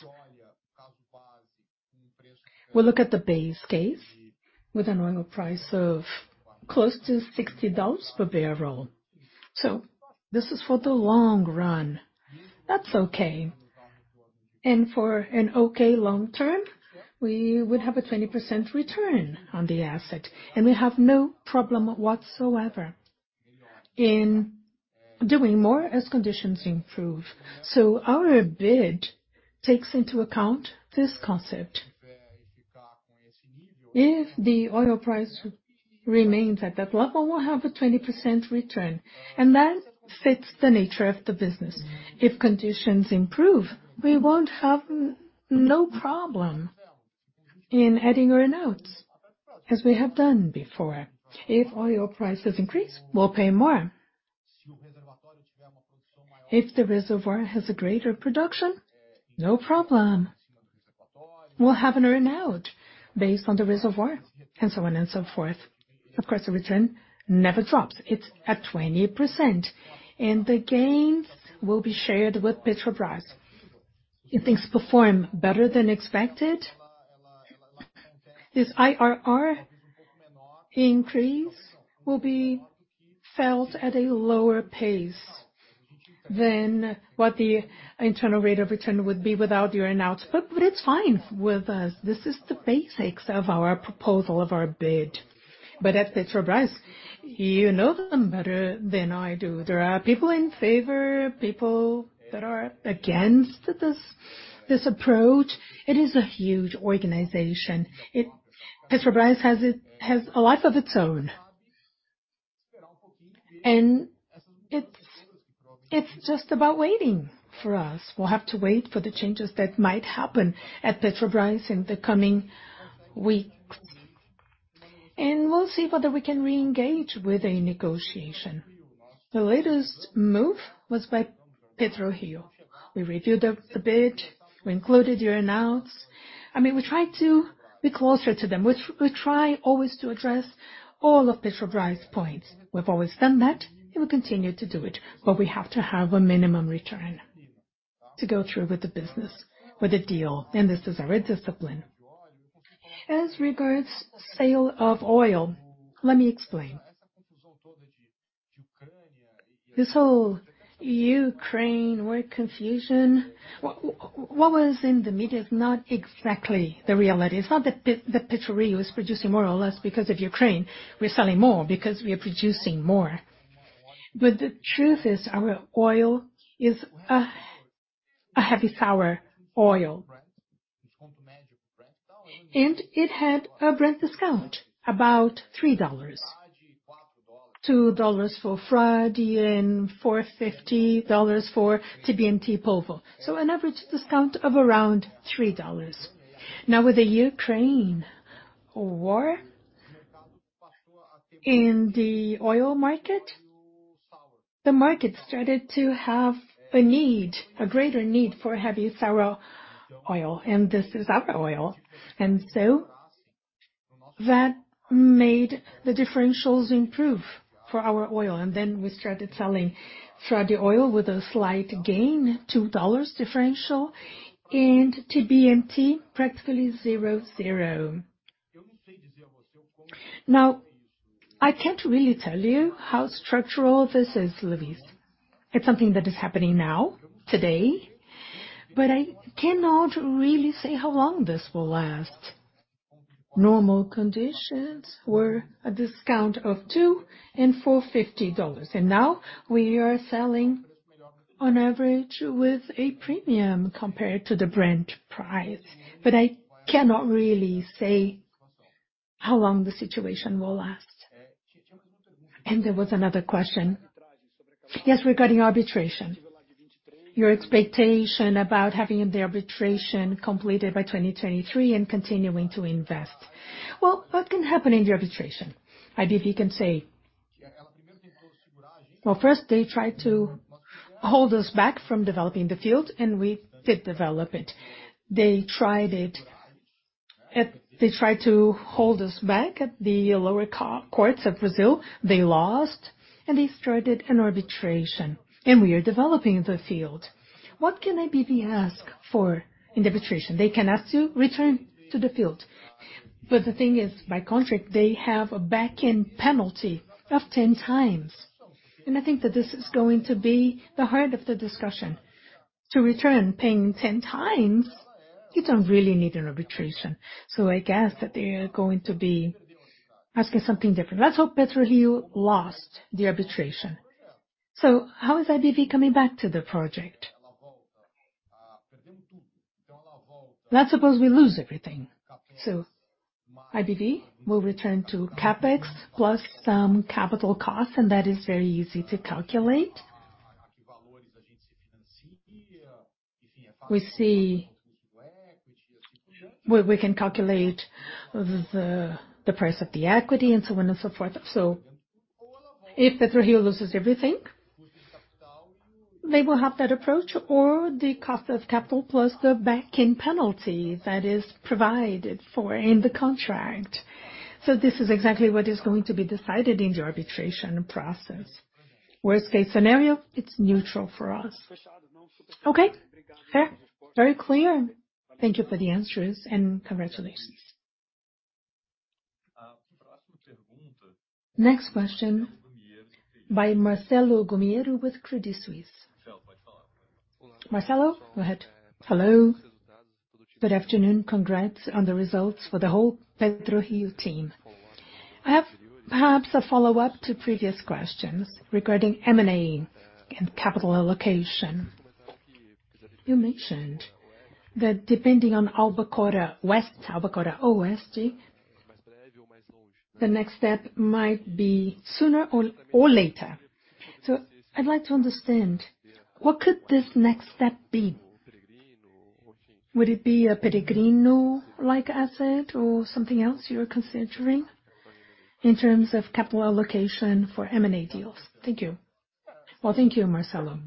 We look at the base case with an oil price of close to $60 per barrel. This is for the long run. That's okay. For an okay long term, we would have a 20% return on the asset, and we have no problem whatsoever in doing more as conditions improve. Our bid takes into account this concept. If the oil price remains at that level, we'll have a 20% return, and that fits the nature of the business. If conditions improve, we won't have no problem in adding earn-outs, as we have done before. If oil prices increase, we'll pay more. If the reservoir has a greater production, no problem. We'll have an earn-out based on the reservoir, and so on and so forth. Of course, the return never drops. It's at 20%, and the gains will be shared with Petrobras. If things perform better than expected, this IRR increase will be felt at a lower pace than what the internal rate of return would be without the earn-out, but it's fine with us. This is the basics of our proposal, of our bid. At Petrobras, you know them better than I do. There are people in favor, people that are against this approach. It is a huge organization. Petrobras has a life of its own. It's just about waiting for us. We'll have to wait for the changes that might happen at Petrobras in the coming weeks. We'll see whether we can re-engage with a negotiation. The latest move was by PetroRio. We reviewed the bid. We included earn-outs. I mean, we try to be closer to them. We try always to address all of Petrobras' points. We've always done that, and we'll continue to do it, but we have to have a minimum return to go through with the business, with the deal, and this is our discipline. As regards sale of oil, let me explain. This whole Ukraine war confusion, what was in the media is not exactly the reality. It's not that PetroRio is producing more or less because of Ukraine. We're selling more because we are producing more. The truth is our oil is a heavy sour oil. It had a Brent discount, about $3. $2 for Frade and $4.50 for TBMT Polvo. An average discount of around $3. Now, with the Ukraine War in the oil market, the market started to have a need, a greater need for heavy sour oil, and this is our oil. That made the differentials improve for our oil, and then we started selling Frade oil with a slight gain, $2 differential, and TBMT practically zero. I can't really tell you how structural this is, Luiz. It's something that is happening now, today, but I cannot really say how long this will last. Normal conditions were a discount of $2 and $4.50, and now we are selling on average with a premium compared to the Brent price. I cannot really say how long the situation will last. There was another question. Yes, regarding arbitration. Your expectation about having the arbitration completed by 2023 and continuing to invest. Well, what can happen in the arbitration? IBV can say. Well, first they tried to hold us back from developing the field, and we did develop it. They tried to hold us back at the lower courts of Brazil. They lost, and they started an arbitration, and we are developing the field. What can IBV ask for in the arbitration? They can ask to return to the field, but the thing is, by contract, they have a backend penalty of 10 times, and I think that this is going to be the heart of the discussion. To return paying 10 times, you don't really need an arbitration. I guess that they're going to be asking something different. Let's hope PetroRio lost the arbitration. How is IBV coming back to the project? Let's suppose we lose everything. IBV will return to CapEx plus some capital costs, and that is very easy to calculate. We see we can calculate the price of the equity and so on and so forth. If PetroRio loses everything, they will have that approach or the cost of capital plus the backend penalty that is provided for in the contract. This is exactly what is going to be decided in the arbitration process. Worst case scenario, it's neutral for us. Okay. Fair. Very clear. Thank you for the answers, and congratulations. Next question by Marcelo Gumiero with Credit Suisse. Marcelo, go ahead. Hello. Good afternoon. Congrats on the results for the whole PetroRio team. I have perhaps a follow-up to previous questions regarding M&A and capital allocation. You mentioned that depending on Albacora Oeste, the next step might be sooner or later. I'd like to understand what could this next step be? Would it be a Peregrino-like asset or something else you're considering in terms of capital allocation for M&A deals? Thank you. Well, thank you, Marcelo.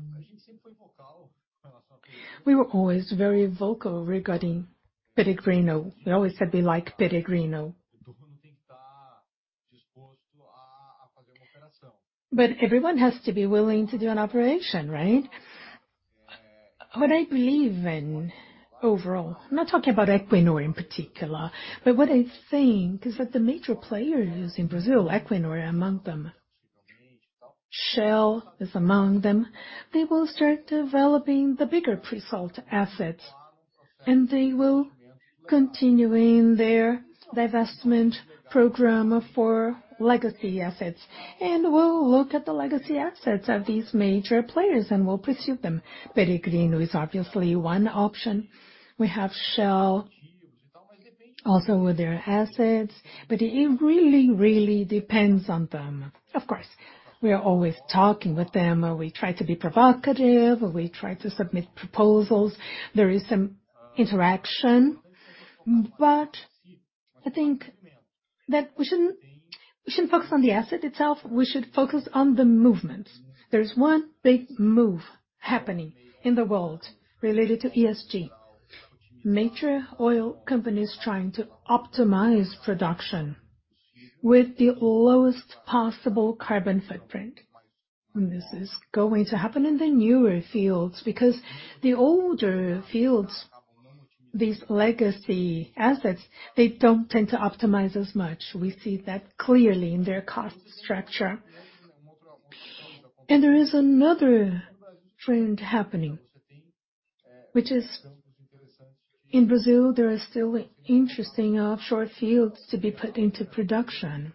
We were always very vocal regarding Peregrino. We always said we like Peregrino. But everyone has to be willing to do an operation, right? What I believe in overall, I'm not talking about Equinor in particular, but what I think is that the major players in Brazil, Equinor among them, Shell is among them, they will start developing the bigger pre-salt assets, and they will continuing their divestment program for legacy assets. We'll look at the legacy assets of these major players, and we'll pursue them. Peregrino is obviously one option. We have Shell also with their assets, but it really, really depends on them. Of course, we are always talking with them, or we try to be provocative, or we try to submit proposals. There is some interaction, but I think that we shouldn't focus on the asset itself. We should focus on the movement. There is one big move happening in the world related to ESG. Major oil companies trying to optimize production with the lowest possible carbon footprint. This is going to happen in the newer fields because the older fields, these legacy assets, they don't tend to optimize as much. We see that clearly in their cost structure. There is another trend happening, which is in Brazil, there are still interesting offshore fields to be put into production.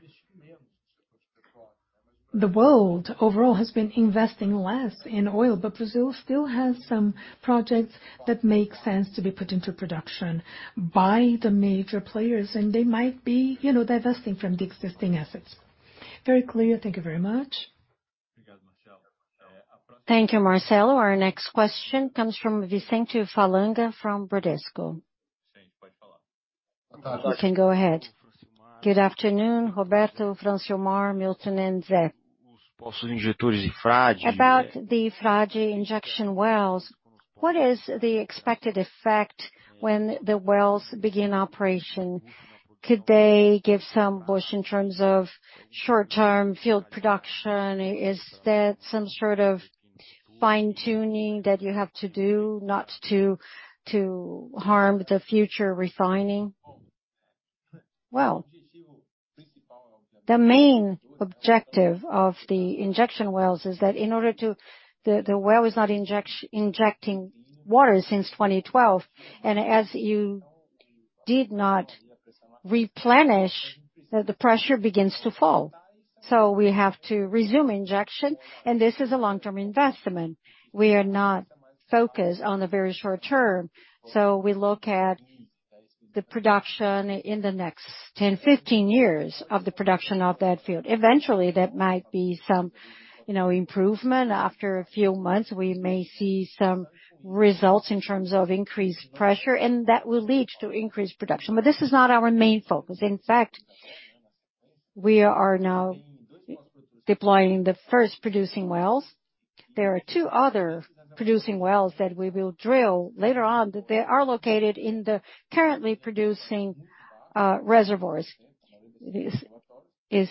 The world overall has been investing less in oil, but Brazil still has some projects that make sense to be put into production by the major players, and they might be, you know, divesting from the existing assets. Very clear. Thank you very much. Thank you, Marcelo. Our next question comes from Vicente Falanga from Bradesco BBI. You can go ahead. Good afternoon, Roberto, Francilmar, Milton, and José. About the Frade injection wells, what is the expected effect when the wells begin operation? Could they give some push in terms of short-term field production? Is there some sort of? Fine tuning that you have to do not to harm the future refining. Well, the main objective of the injection wells is that the well is not injecting water since 2012. As you did not replenish, the pressure begins to fall. We have to resume injection and this is a long-term investment. We are not focused on the very short term. We look at the production in the next 10, 15 years of the production of that field. Eventually, that might be some, you know, improvement. After a few months, we may see some results in terms of increased pressure, and that will lead to increased production. This is not our main focus. In fact, we are now deploying the first producing wells. There are two other producing wells that we will drill later on, that they are located in the currently producing reservoirs. It is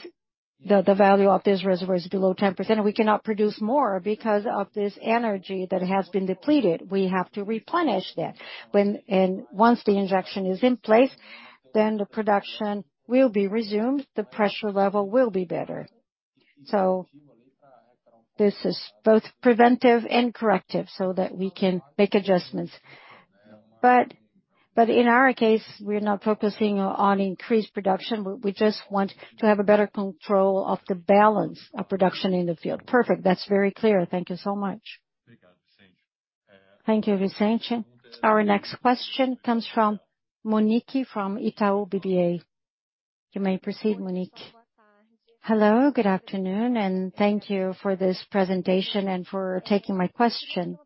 the value of this reservoir is below 10% and we cannot produce more because of this energy that has been depleted. We have to replenish that. When and once the injection is in place, then the production will be resumed, the pressure level will be better. This is both preventive and corrective so that we can make adjustments. But in our case, we're not focusing on increased production. We just want to have a better control of the balance of production in the field. Perfect. That's very clear. Thank you so much. Thank you, Vicente. Our next question comes from Monique from Itaú BBA. You may proceed, Monique. Hello, good afternoon, and thank you for this presentation and for taking my question.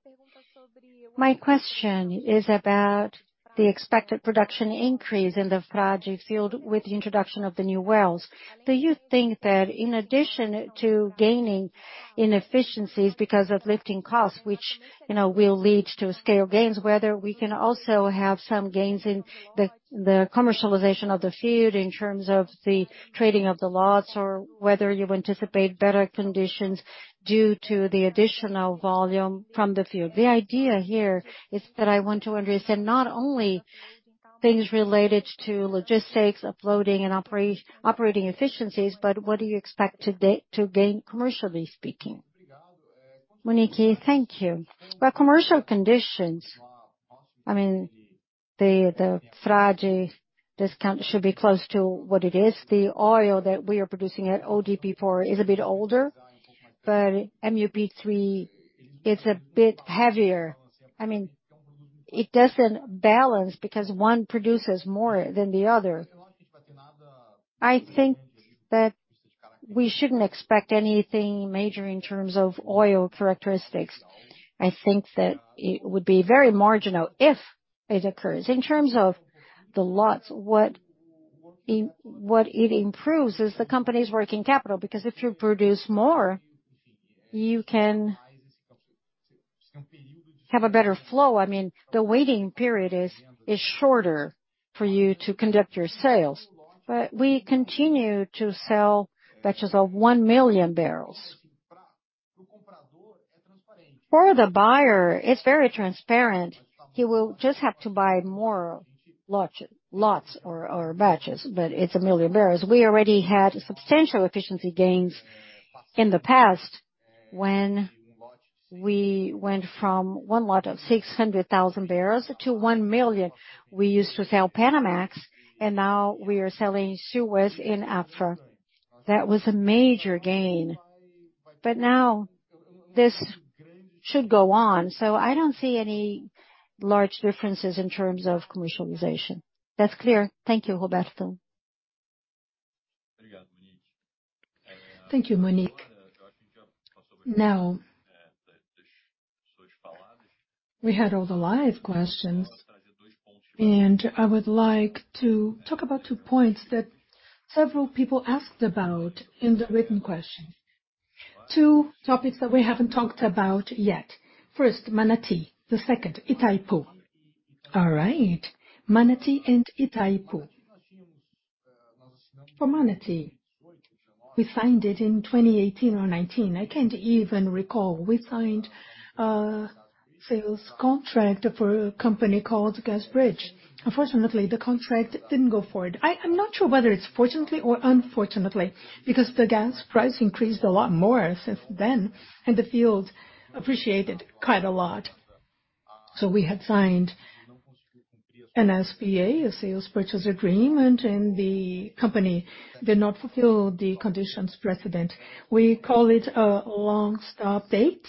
My question is about the expected production increase in the Frade field with the introduction of the new wells. Do you think that in addition to gaining efficiencies because of lifting costs, which, you know, will lead to scale gains, whether we can also have some gains in the commercialization of the field in terms of the trading of the lots, or whether you anticipate better conditions due to the additional volume from the field? The idea here is that I want to understand not only things related to logistics, offloading and operating efficiencies, but what do you expect to gain, commercially speaking? Monique, thank you. Our commercial conditions, I mean, the Frade discount should be close to what it is. The oil that we are producing at ODP4 is a bit older, but MUP3 is a bit heavier. I mean, it doesn't balance because one produces more than the other. I think that we shouldn't expect anything major in terms of oil characteristics. I think that it would be very marginal if it occurs. In terms of the lots, what it improves is the company's working capital, because if you produce more, you can have a better flow. I mean, the waiting period is shorter for you to conduct your sales. We continue to sell batches of 1 million barrels. For the buyer, it's very transparent. He will just have to buy more lots or batches, but it's 1 million barrels. We already had substantial efficiency gains in the past when we went from one lot of 600,000 barrels to 1 million. We used to sell Panamax, and now we are selling Suezmax and Aframax. That was a major gain. Now this should go on, so I don't see any large differences in terms of commercialization. That's clear. Thank you, Roberto. Thank you, Monique. Now, we had all the live questions, and I would like to talk about two points that several people asked about in the written question. Two topics that we haven't talked about yet. First, Manati, the second, Itaipu. All right. Manati and Itaipu. For Manati, we signed it in 2018 or 2019. I can't even recall. We signed a sales contract for a company called Gas Bridge. Unfortunately, the contract didn't go forward. I'm not sure whether it's fortunately or unfortunately, because the gas price increased a lot more since then, and the field appreciated quite a lot. We had signed an SPA, a sales purchase agreement, and the company did not fulfill the conditions precedent. We call it a long-stop date.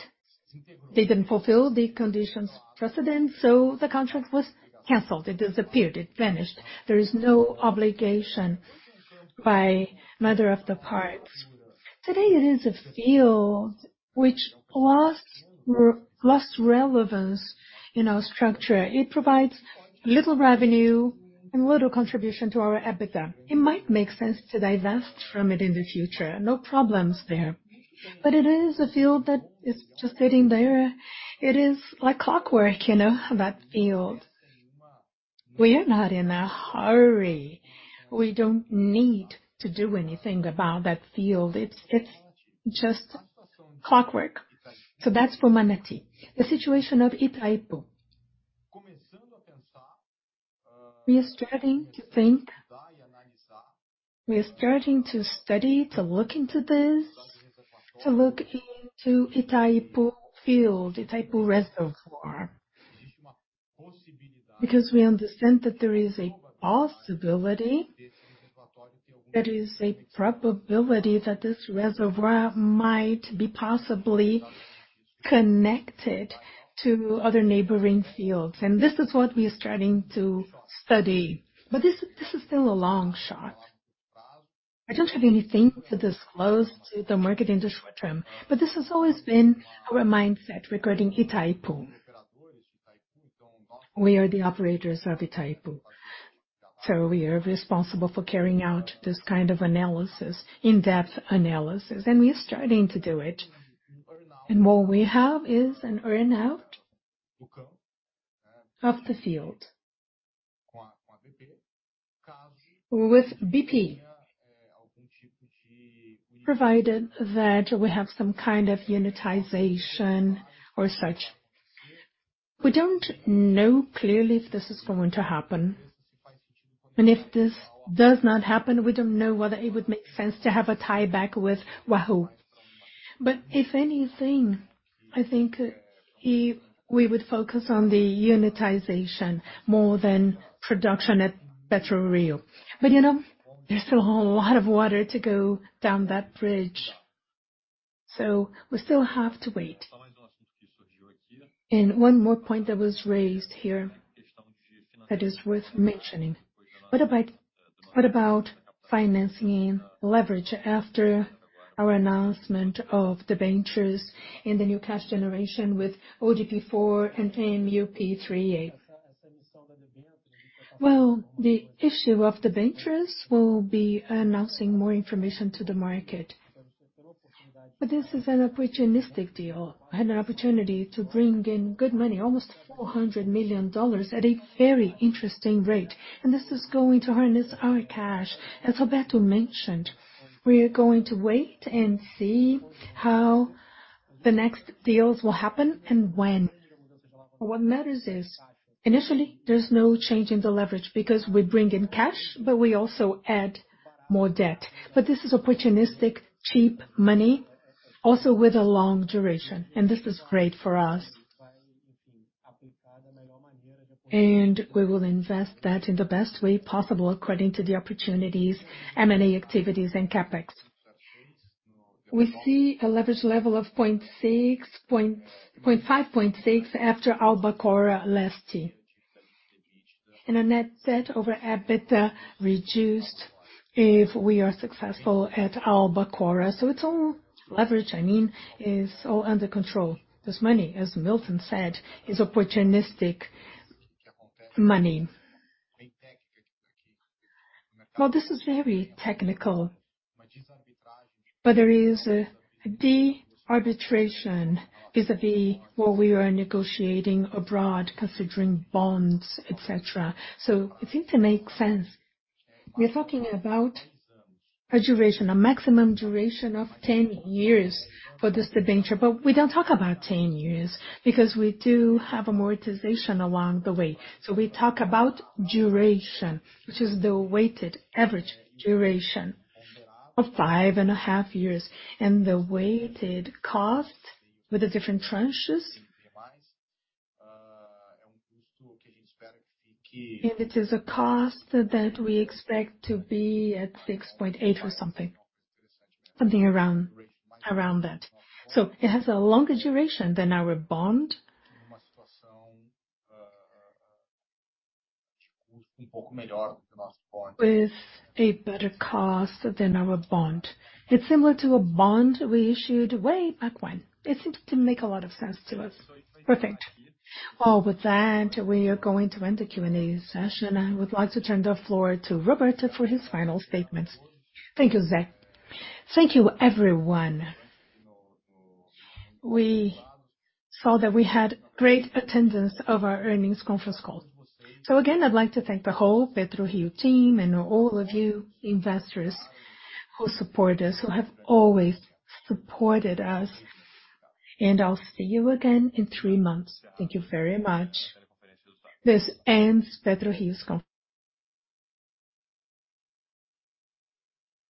They didn't fulfill the conditions precedent, so the contract was canceled. It disappeared. It vanished. There is no obligation by neither of the parties. Today, it is a field which lost relevance in our structure. It provides little revenue and little contribution to our EBITDA. It might make sense to divest from it in the future. No problems there. But it is a field that is just sitting there. It is like clockwork, you know, that field. We are not in a hurry. We don't need to do anything about that field. It's just clockwork. That's for Manati. The situation of Itaipu. We are starting to think, we are starting to study, to look into this, to look into Itaipu field, Itaipu reservoir. Because we understand that there is a possibility, there is a probability that this reservoir might be possibly connected to other neighboring fields. This is what we are starting to study. This is still a long shot. I don't have anything to disclose to the market in the short term, but this has always been our mindset regarding Itaipu. We are the operators of Itaipu, so we are responsible for carrying out this kind of analysis, in-depth analysis, and we are starting to do it. What we have is an earn-out of the field with BP, provided that we have some kind of unitization or such. We don't know clearly if this is going to happen. If this does not happen, we don't know whether it would make sense to have a tieback with Wahoo. If anything, I think we would focus on the unitization more than production at PetroRio. You know, there's still a lot of water under the bridge. We still have to wait. One more point that was raised here that is worth mentioning. What about financial leverage after our announcement of debentures and the new cash generation with ODP4 and MUP3A? Well, the issue of debentures, we'll be announcing more information to the market. This is an opportunistic deal. I had an opportunity to bring in good money, almost $400 million at a very interesting rate, and this is going to harness our cash. As Roberto mentioned, we are going to wait and see how the next deals will happen and when. What matters is, initially, there's no change in the leverage because we bring in cash, but we also add more debt. This is opportunistic, cheap money also with a long duration, and this is great for us. We will invest that in the best way possible according to the opportunities, M&A activities and CapEx. We see a leverage level of 0.6, 0.5, 0.6 after Albacora last year. A net debt over EBITDA reduced if we are successful at Albacora. It's all leverage, I mean, is all under control. This money, as Milton said, is opportunistic money. Well, this is very technical, but there is a de-arbitration vis-à-vis what we are negotiating abroad considering bonds, et cetera. It seems to make sense. We're talking about a duration, a maximum duration of 10 years for this debenture, but we don't talk about 10 years because we do have amortization along the way. We talk about duration, which is the weighted average duration of 5.5 years. The weighted cost with the different tranches, and it is a cost that we expect to be at 6.8% or something. Something around that. It has a longer duration than our bond with a better cost than our bond. It's similar to a bond we issued way back when. It seems to make a lot of sense to us. Perfect. Well, with that, we are going to end the Q&A session. I would like to turn the floor to Roberto for his final statements. Thank you, José. Thank you, everyone. We saw that we had great attendance of our earnings conference call. Again, I'd like to thank the whole PRIO team and all of you investors who support us, who have always supported us. I'll see you again in three months. Thank you very much. This ends PRIO's con-